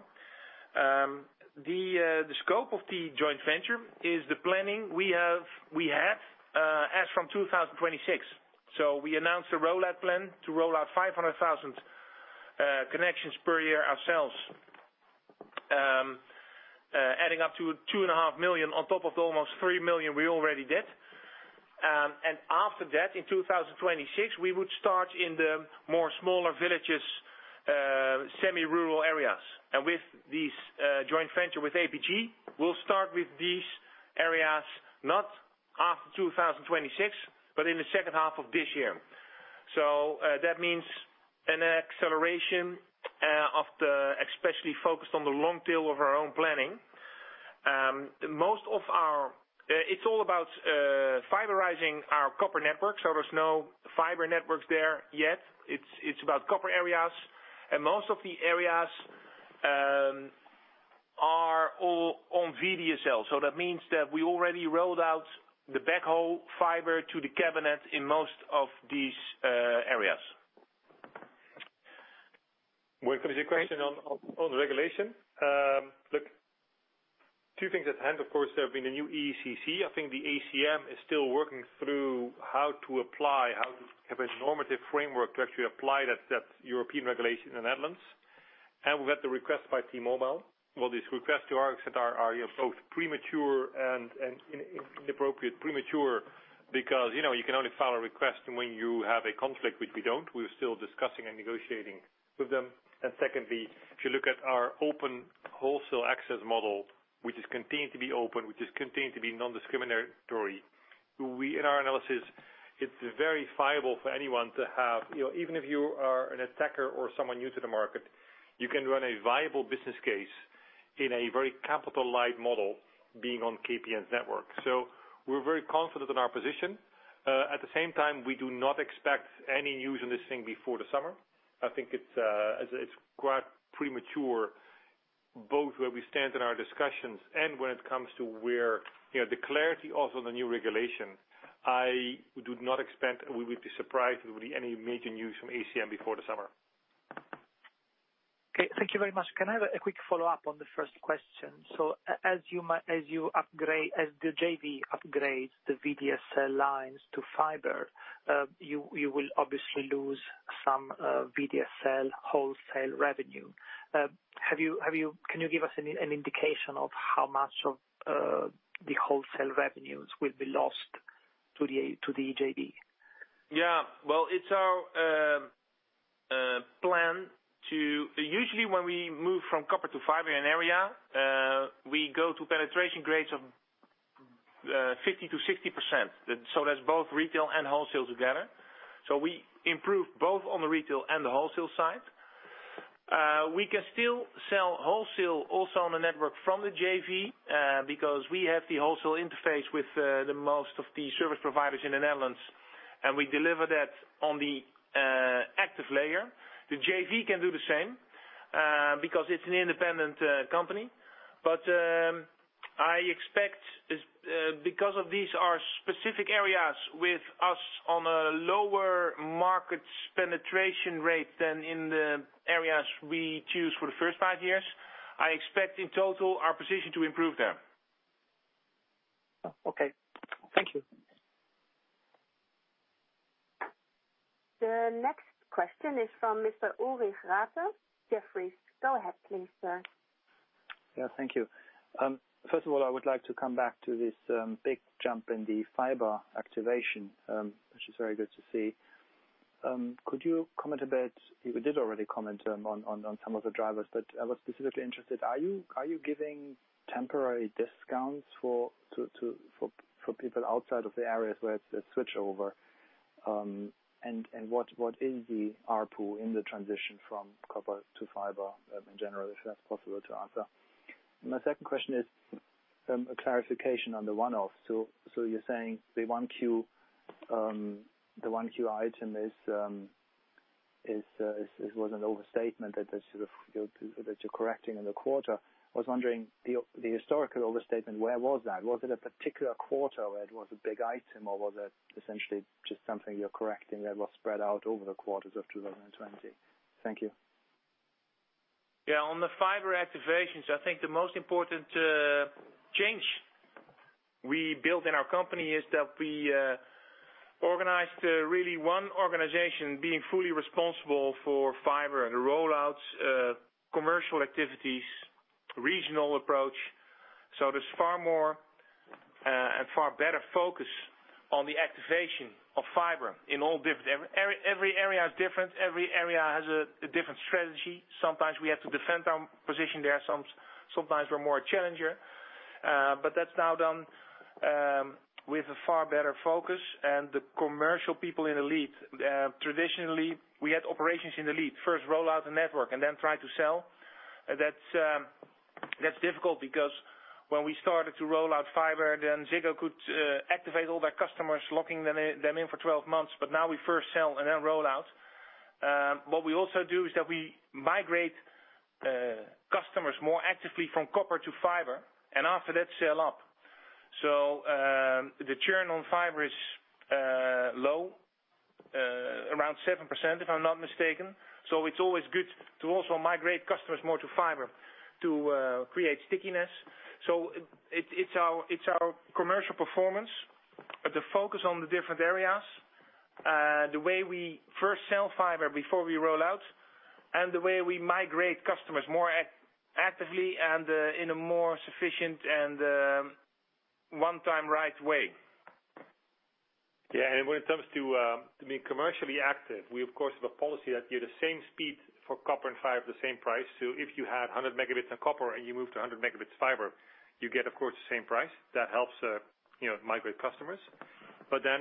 The scope of the joint venture is the planning we have as from 2026. We announced a rollout plan to roll out 500,000 connections per year ourselves, adding up to two and a half million on top of the almost 3 million we already did. After that, in 2026, we would start in the more smaller villages, semi-rural areas. With this joint venture with APG, we'll start with these areas not after 2026, but in the second half of this year. That means an acceleration especially focused on the long tail of our own planning. It's all about fiberizing our copper network. There's no fiber networks there yet. It's about copper areas. Most of the areas are all on VDSL. That means that we already rolled out the backhaul fiber to the cabinet in most of these areas. When it comes to your question on the regulation. Look, two things at hand, of course, there have been a new EECC. I think the ACM is still working through how to apply, how to have a normative framework to actually apply that European regulation in the Netherlands. We've had the request by T-Mobile. Well, this request to our accept are both premature and inappropriate. Premature because you can only file a request when you have a conflict, which we don't. We're still discussing and negotiating with them. Secondly, if you look at our open wholesale access model, which has continued to be open, which has continued to be non-discriminatory. In our analysis, it's very viable for anyone to have, even if you are an attacker or someone new to the market, you can run a viable business case in a very capital light model being on KPN's network. We're very confident in our position. At the same time, we do not expect any news on this thing before the summer. I think it's quite premature, both where we stand in our discussions and when it comes to where the clarity also on the new regulation. I would not expect, we would be surprised if there would be any major news from ACM before the summer. Okay. Thank you very much. Can I have a quick follow-up on the first question? As the JV upgrades the VDSL lines to fiber, you will obviously lose some VDSL wholesale revenue. Can you give us an indication of how much of the wholesale revenues will be lost to the JV? It's our plan usually when we move from copper to fiber in an area, we go to penetration grades of 50% to 60%. That's both retail and wholesale together. We improve both on the retail and the wholesale side. We can still sell wholesale also on the network from the JV, because we have the wholesale interface with the most of the service providers in the Netherlands, and we deliver that on the active layer. The JV can do the same, because it's an independent company. I expect, because of these are specific areas with us on a lower market penetration rate than in the areas we choose for the first five years, I expect in total our position to improve there. Okay. Thank you. The next question is from Mr. Ulrich Rathe, Jefferies. Go ahead please, sir. Thank you. First of all, I would like to come back to this big jump in the fiber activation, which is very good to see. Could you comment a bit, you did already comment on some of the drivers, but I was specifically interested, are you giving temporary discounts for people outside of the areas where it's a switchover? What is the ARPU in the transition from copper to fiber in general, if that's possible to answer? My second question is a clarification on the one-off. You're saying the 1Q item was an overstatement that you're correcting in the quarter. I was wondering, the historical overstatement, where was that? Was it a particular quarter where it was a big item, or was it essentially just something you're correcting that was spread out over the quarters of 2020? Thank you. Yeah. On the fiber activations, I think the most important change we built in our company is that we organized really one organization being fully responsible for fiber and the rollouts, commercial activities, regional approach. There's far more and far better focus on the activation of fiber in all different areas. Every area is different. Every area has a different strategy. Sometimes we have to defend our position there. Sometimes we're more a challenger. That's now done with a far better focus. The commercial people in Elite, traditionally, we had operations in Elite. First roll out the network, and then try to sell. That's difficult because when we started to roll out fiber, then Ziggo could activate all their customers, locking them in for 12 months. Now we first sell and then roll out. What we also do is that we migrate customers more actively from copper to fiber, and after that, sell up. The churn on fiber is low, around 7% if I'm not mistaken. It's always good to also migrate customers more to fiber to create stickiness. It's our commercial performance, the focus on the different areas, the way we first sell fiber before we roll out, and the way we migrate customers more actively and in a more sufficient and one time right way. Yeah. When it comes to being commercially active, we of course, have a policy that you have the same speed for copper and fiber, the same price. If you had 100 Mb on copper and you move to 100 Mb fiber, you get, of course, the same price. That helps migrate customers.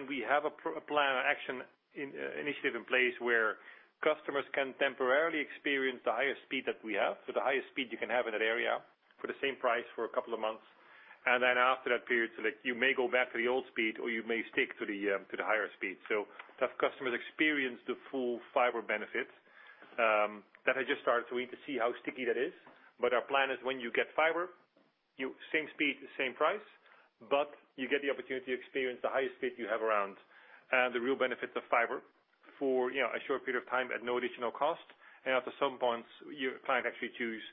We have a plan, an action initiative in place where customers can temporarily experience the highest speed that we have. The highest speed you can have in that area for the same price for a couple of months. After that period, like you may go back to the old speed or you may stick to the higher speed. That customers experience the full fiber benefit. That I just started doing to see how sticky that is. Our plan is when you get fiber, same speed, same price, but you get the opportunity to experience the highest speed you have around, and the real benefits of fiber for a short period of time at no additional cost. After some points, your client actually choose,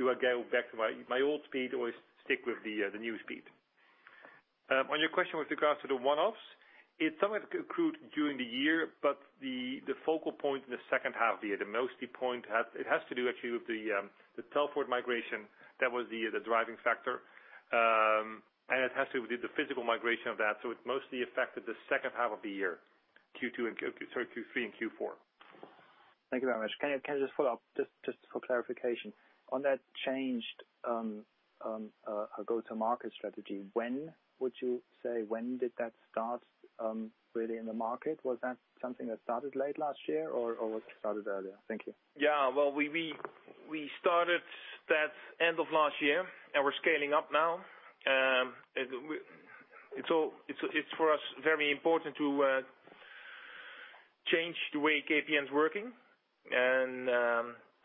do I go back to my old speed or stick with the new speed? On your question with regards to the one-offs, it somewhat accrued during the year, but the focal point in the second half of the year, it has to do actually with the Telfort migration. That was the driving factor. It has to do with the physical migration of that. It mostly affected the second half of the year, Q3 and Q4. Thank you very much. Can I just follow up, just for clarification. On that changed go-to-market strategy, when would you say? When did that start really in the market? Was that something that started late last year, or was it started earlier? Thank you. Yeah. Well, we started that end of last year, and we're scaling up now. It is for us very important to change the way KPN's working and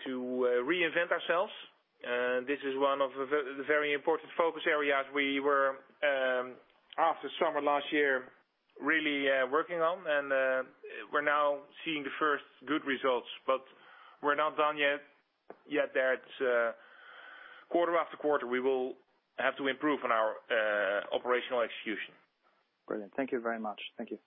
to reinvent ourselves. This is one of the very important focus areas we were, after summer last year, really working on. We are now seeing the first good results, but we are not done yet there. It is quarter after quarter, we will have to improve on our operational execution. Brilliant. Thank you very much. Thank you.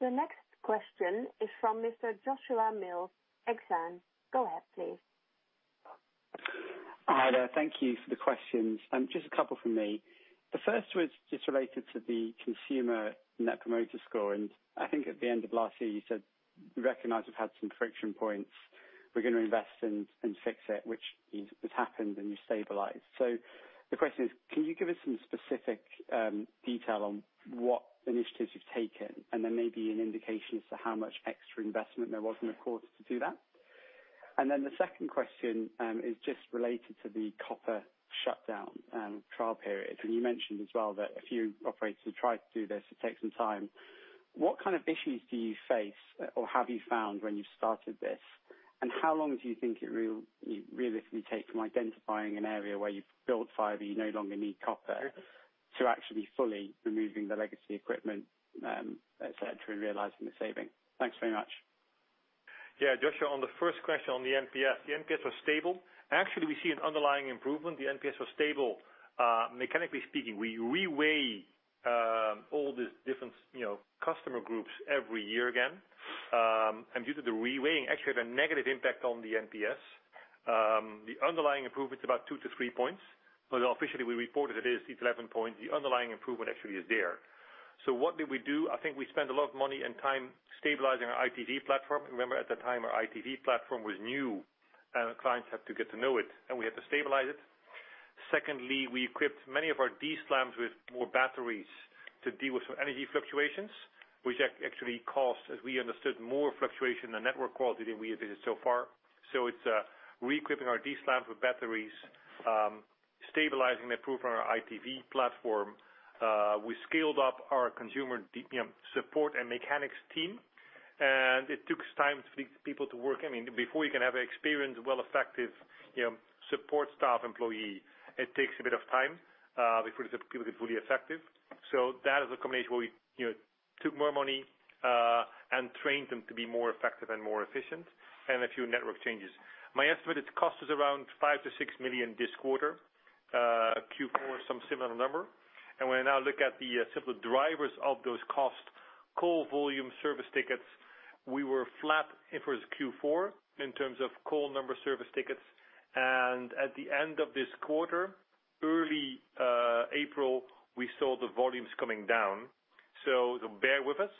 The next question is from Mr. Joshua Mills, Exane. Go ahead, please. Hi there. Thank you for the questions. Just a couple from me. The first was just related to the consumer net promoter score. I think at the end of last year, you said you recognize you've had some friction points. We're going to invest and fix it, which has happened. You stabilized. The question is, can you give us some specific detail on what initiatives you've taken? Maybe an indication as to how much extra investment there was in the quarter to do that? The second question is just related to the copper shutdown trial period. You mentioned as well that a few operators have tried to do this. It takes some time. What kind of issues do you face or have you found when you started this? How long do you think it realistically take from identifying an area where you've built fiber, you no longer need copper, to actually fully removing the legacy equipment, et cetera, and realizing the saving? Thanks very much. Yeah, Joshua, on the first question on the NPS. The NPS was stable. Actually, we see an underlying improvement. The NPS was stable. Mechanically speaking, we re-weigh all these different customer groups every year again. Due to the re-weighing, actually had a negative impact on the NPS. The underlying improvement is about two to three points, officially, we reported it is 11 points. The underlying improvement actually is there. What did we do? I think we spent a lot of money and time stabilizing our iTV platform. Remember, at the time, our iTV platform was new, and our clients had to get to know it, and we had to stabilize it. Secondly, we equipped many of our DSLAMs with more batteries to deal with energy fluctuations, which actually caused, as we understood, more fluctuation in network quality than we had visited so far. It's re-equipping our DSLAM for batteries, stabilizing the improvement on our iTV platform. We scaled up our consumer support and mechanics team, and it took time for these people to work. Before you can have an experienced, well-effective support staff employee, it takes a bit of time before the people get fully effective. That is a combination where we took more money and trained them to be more effective and more efficient, and a few network changes. My estimate, it cost us around 5 million-6 million this quarter. Q4, some similar number. When I now look at the simple drivers of those costs, call volume service tickets, we were flat with Q4 in terms of call number service tickets. At the end of this quarter, early April, we saw the volumes coming down. Bear with us,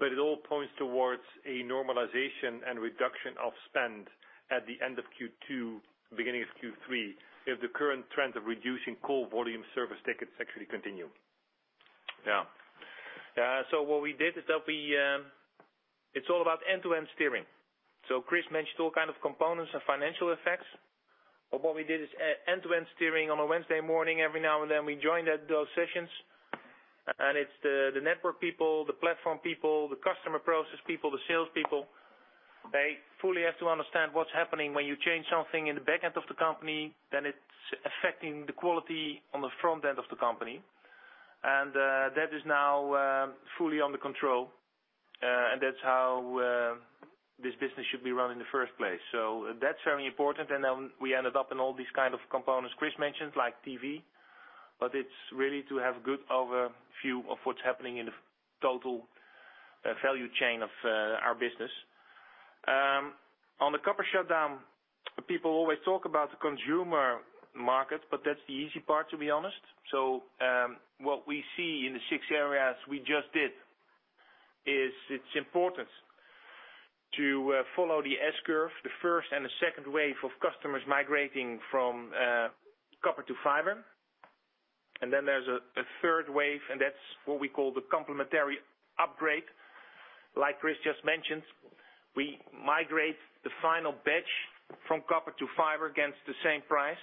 it all points towards a normalization and reduction of spend at the end of Q2, beginning of Q3, if the current trend of reducing call volume service tickets actually continue. What we did is it's all about end-to-end steering. Chris mentioned all kind of components and financial effects. What we did is end-to-end steering on a Wednesday morning every now and then. We joined those sessions, it's the network people, the platform people, the customer process people, the sales people. They fully have to understand what's happening when you change something in the back end of the company, then it's affecting the quality on the front end of the company. That is now fully under control. That's how this business should be run in the first place. That's very important, and then we ended up in all these components Chris mentioned, like TV. It's really to have good overview of what's happening in the total value chain of our business. On the copper shutdown, people always talk about the consumer market, but that's the easy part, to be honest. What we see in the six areas we just did is it's important to follow the S-curve, the first and the second wave of customers migrating from copper to fiber. Then there's a third wave, and that's what we call the complementary upgrade. Like Chris just mentioned, we migrate the final batch from copper to fiber against the same price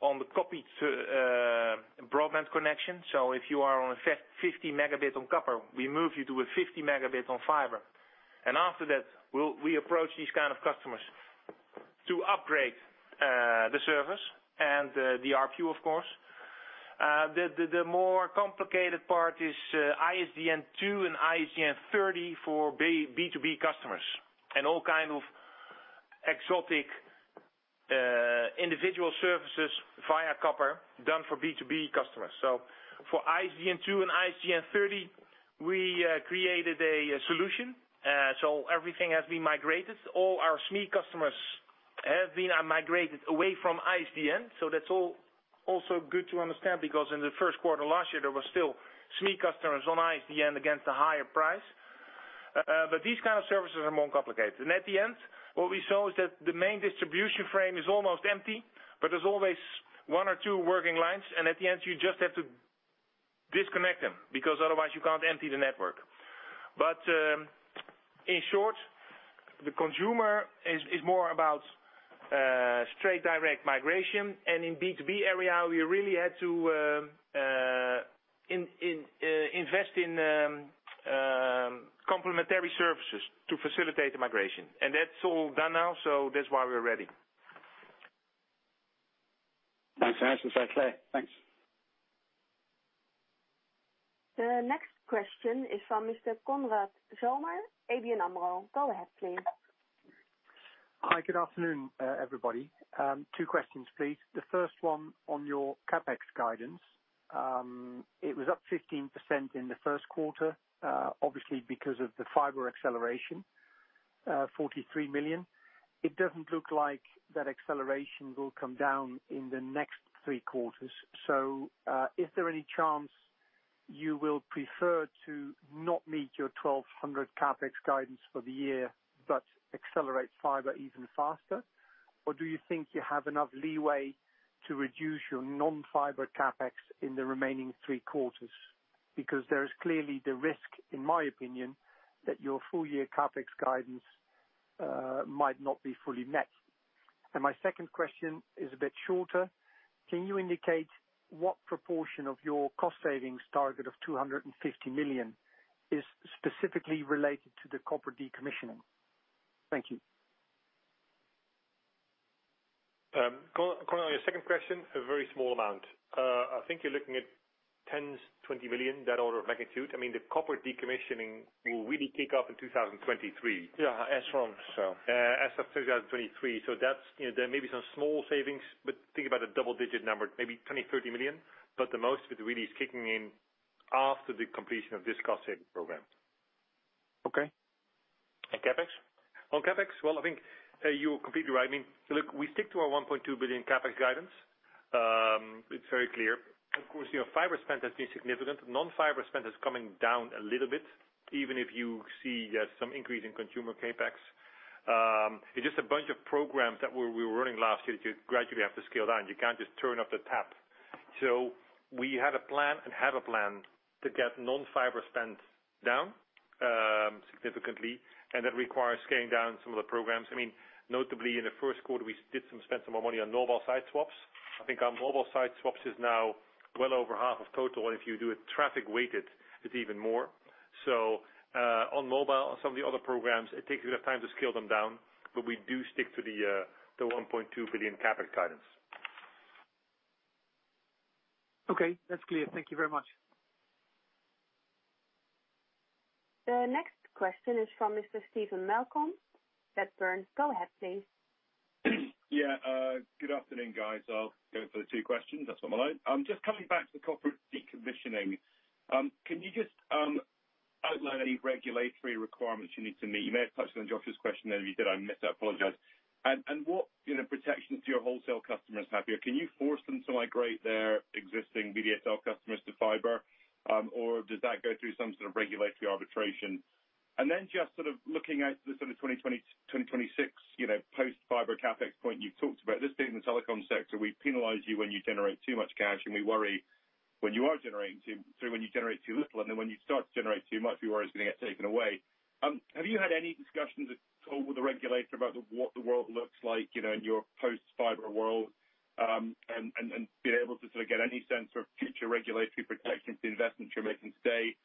on the copper broadband connection. If you are on a 50 Mb on copper, we move you to a 50 Mb on fiber. After that, we approach these kind of customers to upgrade the service and the RPU, of course. The more complicated part is ISDN2 and ISDN30 for B2B customers and all kind of exotic individual services via copper done for B2B customers. For ISDN2 and ISDN30, we created a solution. Everything has been migrated. All our SME customers have been migrated away from ISDN. That's also good to understand because in the first quarter last year, there were still SME customers on ISDN against a higher price. These kind of services are more complicated. At the end, what we saw is that the main distribution frame is almost empty, but there's always one or two working lines, and at the end you just have to disconnect them because otherwise you can't empty the network. In short, the consumer is more about straight direct migration. In B2B area, we really had to invest in complementary services to facilitate the migration. That's all done now, so that's why we're ready. Thanks for the answer. That's clear. Thanks. The next question is from Mr. Konrad Zomer, ABN AMRO. Go ahead, please. Hi, good afternoon, everybody. Two questions, please. The first one on your CapEx guidance. It was up 15% in the first quarter, obviously because of the fiber acceleration, 43 million. It doesn't look like that acceleration will come down in the next three quarters. Is there any chance you will prefer to not meet your 1,200 CapEx guidance for the year but accelerate fiber even faster? Do you think you have enough leeway to reduce your non-fiber CapEx in the remaining three quarters? There is clearly the risk, in my opinion, that your full-year CapEx guidance might not be fully met. My second question is a bit shorter. Can you indicate what proportion of your cost savings target of 250 million is specifically related to the copper decommissioning? Thank you. Konrad, on your second question, a very small amount. I think you're looking at 10 million, 20 million, that order of magnitude. The copper decommissioning will really kick off in 2023. Yeah. As from. As of 2023. There may be some small savings, but think about a double-digit number, maybe 20 million, 30 million, but the most of it really is kicking in after the completion of this cost-saving program. Okay. CapEx? On CapEx, well, I think you're completely right. Look, we stick to our 1.2 billion CapEx guidance. It's very clear. Of course, fiber spend has been significant. Non-fiber spend is coming down a little bit, even if you see some increase in consumer CapEx. It's just a bunch of programs that we were running last year to gradually have to scale down. You can't just turn off the tap. We had a plan, and have a plan to get non-fiber spend down significantly, and that requires scaling down some of the programs. Notably in the first quarter, we did spend some more money on mobile site swaps. I think our mobile site swaps is now well over half of total. If you do it traffic weighted, it's even more. On mobile, some of the other programs, it takes a bit of time to scale them down, but we do stick to the 1.2 billion CapEx guidance. Okay, that's clear. Thank you very much. The next question is from Mr. Steve Malcolm, Redburn. Go ahead, please. Good afternoon, guys. I'll go for the two questions as I'm alone. Just coming back to the copper decommissioning. Can you just outline any regulatory requirements you need to meet? You may have touched on Joshua's question. If you did, I missed it. I apologize. What protections do your wholesale customers have here? Can you force them to migrate their existing VDSL customers to fiber? Does that go through some sort of regulatory arbitration? Just looking out to the sort of 2026, post-fiber CapEx point you talked about. This being the telecom sector, we penalize you when you generate too much cash, and we worry when you generate too little. When you start to generate too much, we worry it's going to get taken away. Have you had any discussions at all with the regulator about what the world looks like in your post-fiber world, and been able to get any sense of future regulatory protection for the investments you're making today?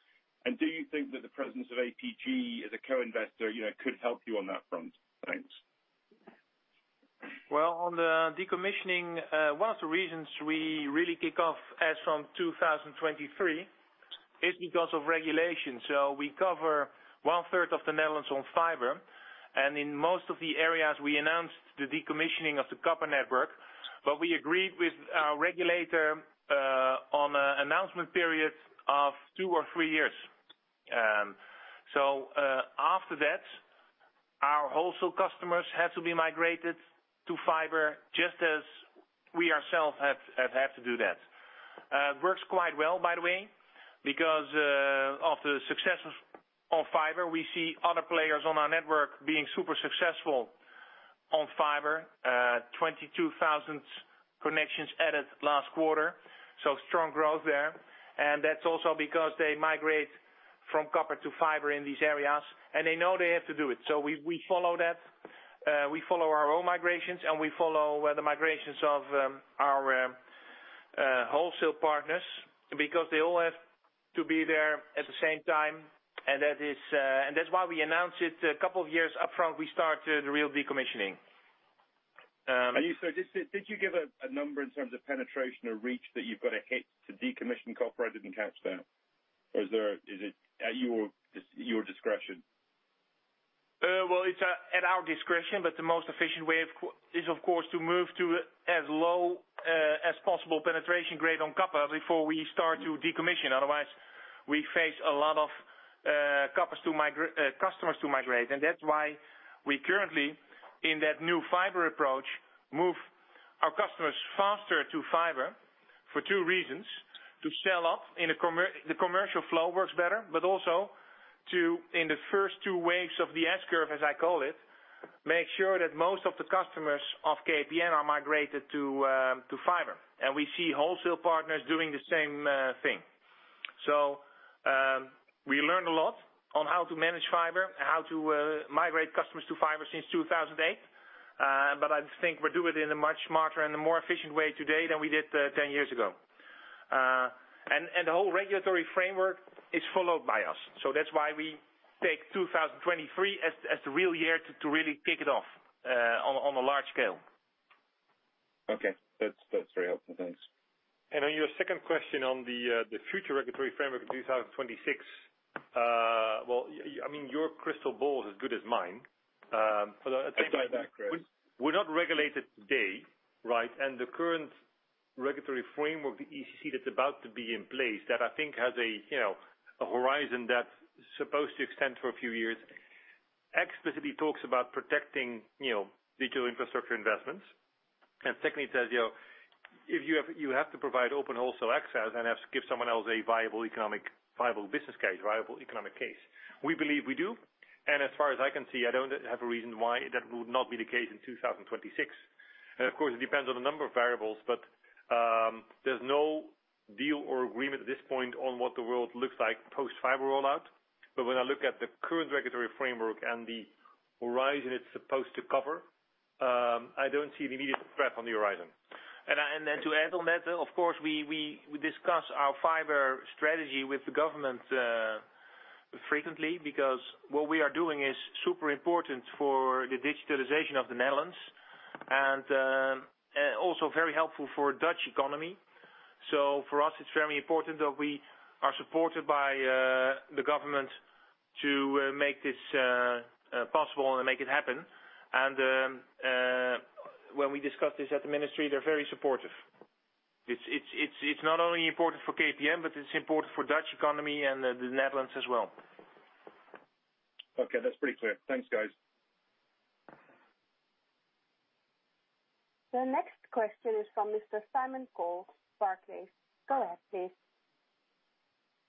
Do you think that the presence of APG as a co-investor could help you on that front? Thanks. Well, on the decommissioning, one of the reasons we really kick off as from 2023 is because of regulation. We cover one-third of the Netherlands on fiber, and in most of the areas we announced the decommissioning of the copper network. We agreed with our regulator on an announcement period of two or three years. After that, our wholesale customers have to be migrated to fiber just as we ourselves have to do that. Works quite well, by the way, because of the success of fiber, we see other players on our network being super successful on fiber. 22,000 connections added last quarter. Strong growth there. That's also because they migrate from copper to fiber in these areas, and they know they have to do it. We follow that. We follow our own migrations, and we follow the migrations of our wholesale partners because they all have to be there at the same time. That's why we announce it a couple of years upfront, we start the real decommissioning. Did you give a number in terms of penetration or reach that you've got to hit to decommission copper? I didn't catch that. Is it at your discretion? Well, it's at our discretion, but the most efficient way is of course to move to as low as possible penetration grade on copper before we start to decommission. Otherwise, we face a lot of customers to migrate. That's why we currently, in that new fiber approach, move. Our customers faster to fiber for two reasons: to sell off, the commercial flow works better, but also to, in the first two waves of the S-curve, as I call it, make sure that most of the customers of KPN are migrated to fiber. We see wholesale partners doing the same thing. We learned a lot on how to manage fiber and how to migrate customers to fiber since 2008. I think we do it in a much smarter and a more efficient way today than we did 10 years ago. The whole regulatory framework is followed by us. That's why we take 2023 as the real year to really kick it off on a large scale. Okay. That's very helpful. Thanks. On your second question on the future regulatory framework in 2026. Well, your crystal ball is as good as mine. I'll take that Chris. We're not regulated today, right? The current regulatory framework, the EECC, that's about to be in place that I think has a horizon that's supposed to extend for a few years, explicitly talks about protecting digital infrastructure investments. Secondly, it says, if you have to provide open wholesale access and have to give someone else a viable business case, viable economic case. We believe we do. As far as I can see, I don't have a reason why that would not be the case in 2026. Of course, it depends on a number of variables, but there's no deal or agreement at this point on what the world looks like post-fiber rollout. When I look at the current regulatory framework and the horizon it's supposed to cover, I don't see an immediate threat on the horizon. To add on that, of course, we discuss our fiber strategy with the government frequently because what we are doing is super important for the digitalization of the Netherlands and also very helpful for Dutch economy. For us, it's very important that we are supported by the government to make this possible and make it happen. When we discussed this at the Ministry, they're very supportive. It's not only important for KPN, but it's important for Dutch economy and the Netherlands as well. Okay, that's pretty clear. Thanks, guys. The next question is from Mr. Simon Coles, Barclays. Go ahead, please.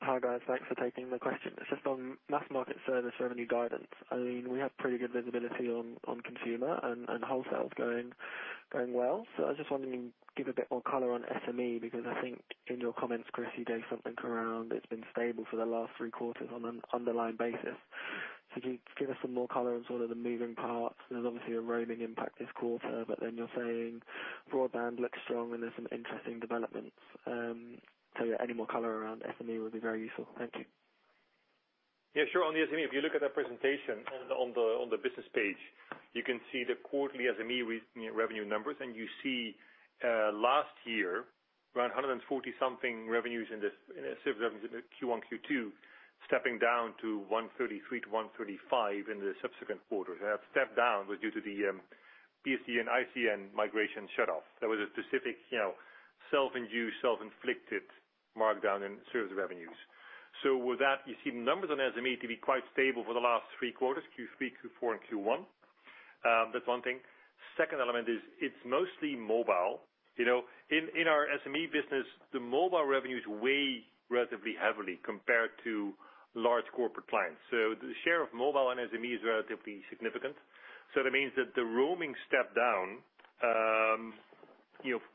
Hi, guys. Thanks for taking the question. It's just on mass market service revenue guidance. We have pretty good visibility on consumer and wholesale is going well. I just wanted you give a bit more color on SME because I think in your comments, Chris, you gave something around, it's been stable for the last three quarters on an underlying basis. Can you give us some more color on sort of the moving parts? There's obviously a roaming impact this quarter, but then you're saying broadband looks strong and there's some interesting developments. Yeah, any more color around SME would be very useful. Thank you. Yeah, sure. On the SME, if you look at that presentation on the business page, you can see the quarterly SME revenue numbers. You see last year around 140 something revenues in the Q1, Q2, stepping down to 133-135 in the subsequent quarters. That step down was due to the PSTN, ISDN migration shutoff. That was a specific self-induced, self-inflicted markdown in service revenues. With that, you see the numbers on SME to be quite stable for the last three quarters, Q3, Q4, and Q1. That's one thing. Second element is it's mostly mobile. In our SME business, the mobile revenues weigh relatively heavily compared to large corporate clients. The share of mobile on SME is relatively significant. That means that the roaming step down,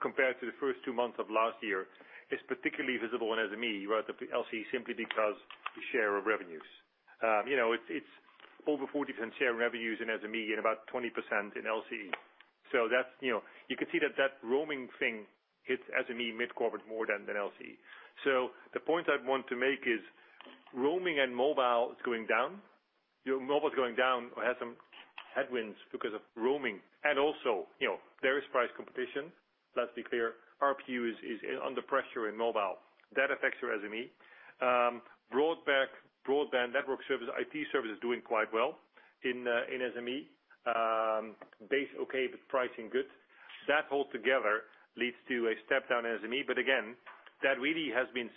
compared to the first two months of last year, is particularly visible in SME relatively LCE simply because the share of revenues. It's over 40% share of revenues in SME and about 20% in LCE. You could see that that roaming thing hits SME mid-corporate more than LCE. The point I'd want to make is roaming and mobile is going down. Mobile's going down or has some headwinds because of roaming. Also, there is price competition. Let's be clear, RPU is under pressure in mobile. That affects your SME. Broadband network service, IT service is doing quite well in SME. Base okay, but pricing good. That altogether leads to a step down in SME. Again, that really has been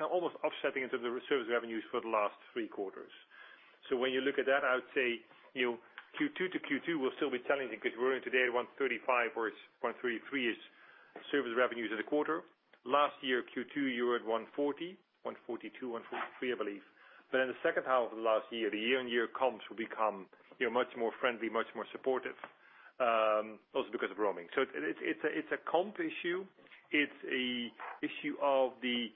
almost offsetting into the service revenues for the last three quarters. When you look at that, I would say, Q2 to Q2 will still be challenging because we're only today at 135 or it's 133 is service revenues of the quarter. Last year, Q2, you were at 140, 142, 143, I believe. In the second half of last year, the year-on-year comps will become much more friendly, much more supportive. Also because of roaming. It's a comp issue. It's a issue of the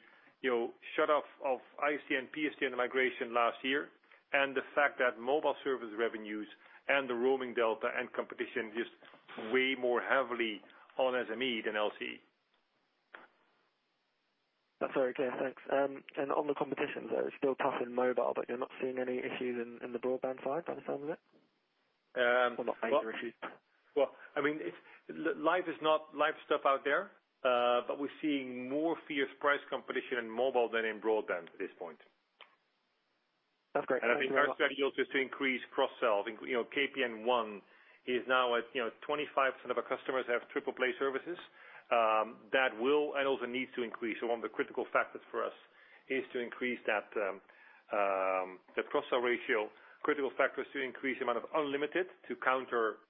shut off of ISDN, PSTN migration last year. The fact that mobile service revenues and the roaming delta and competition just weigh more heavily on SME than LCE. That's very clear. Thanks. On the competition, though, it's still tough in mobile, but you're not seeing any issues in the broadband side by the sounds of it? Not major issues. Well, life is not life stuff out there, but we're seeing more fierce price competition in mobile than in broadband at this point. That's great. Thank you very much. I think our strategy also is to increase cross-sell. KPN EEN is now at 25% of our customers have triple play services. That will and also needs to increase. One of the critical factors for us is to increase that cross-sell ratio. Critical factor is to increase the amount of unlimited to counter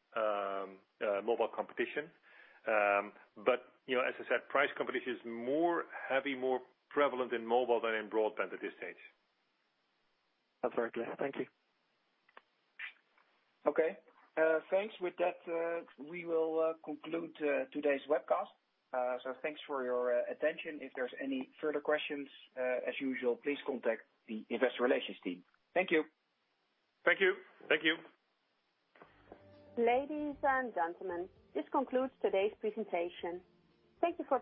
mobile competition. As I said, price competition is more heavy, more prevalent in mobile than in broadband at this stage. That's very clear. Thank you. Okay. Thanks. With that, we will conclude today's webcast. Thanks for your attention. If there's any further questions, as usual, please contact the Investor Relations team. Thank you. Thank you. Thank you. Ladies and gentlemen, this concludes today's presentation. Thank you for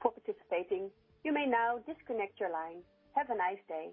participating. You may now disconnect your line. Have a nice day.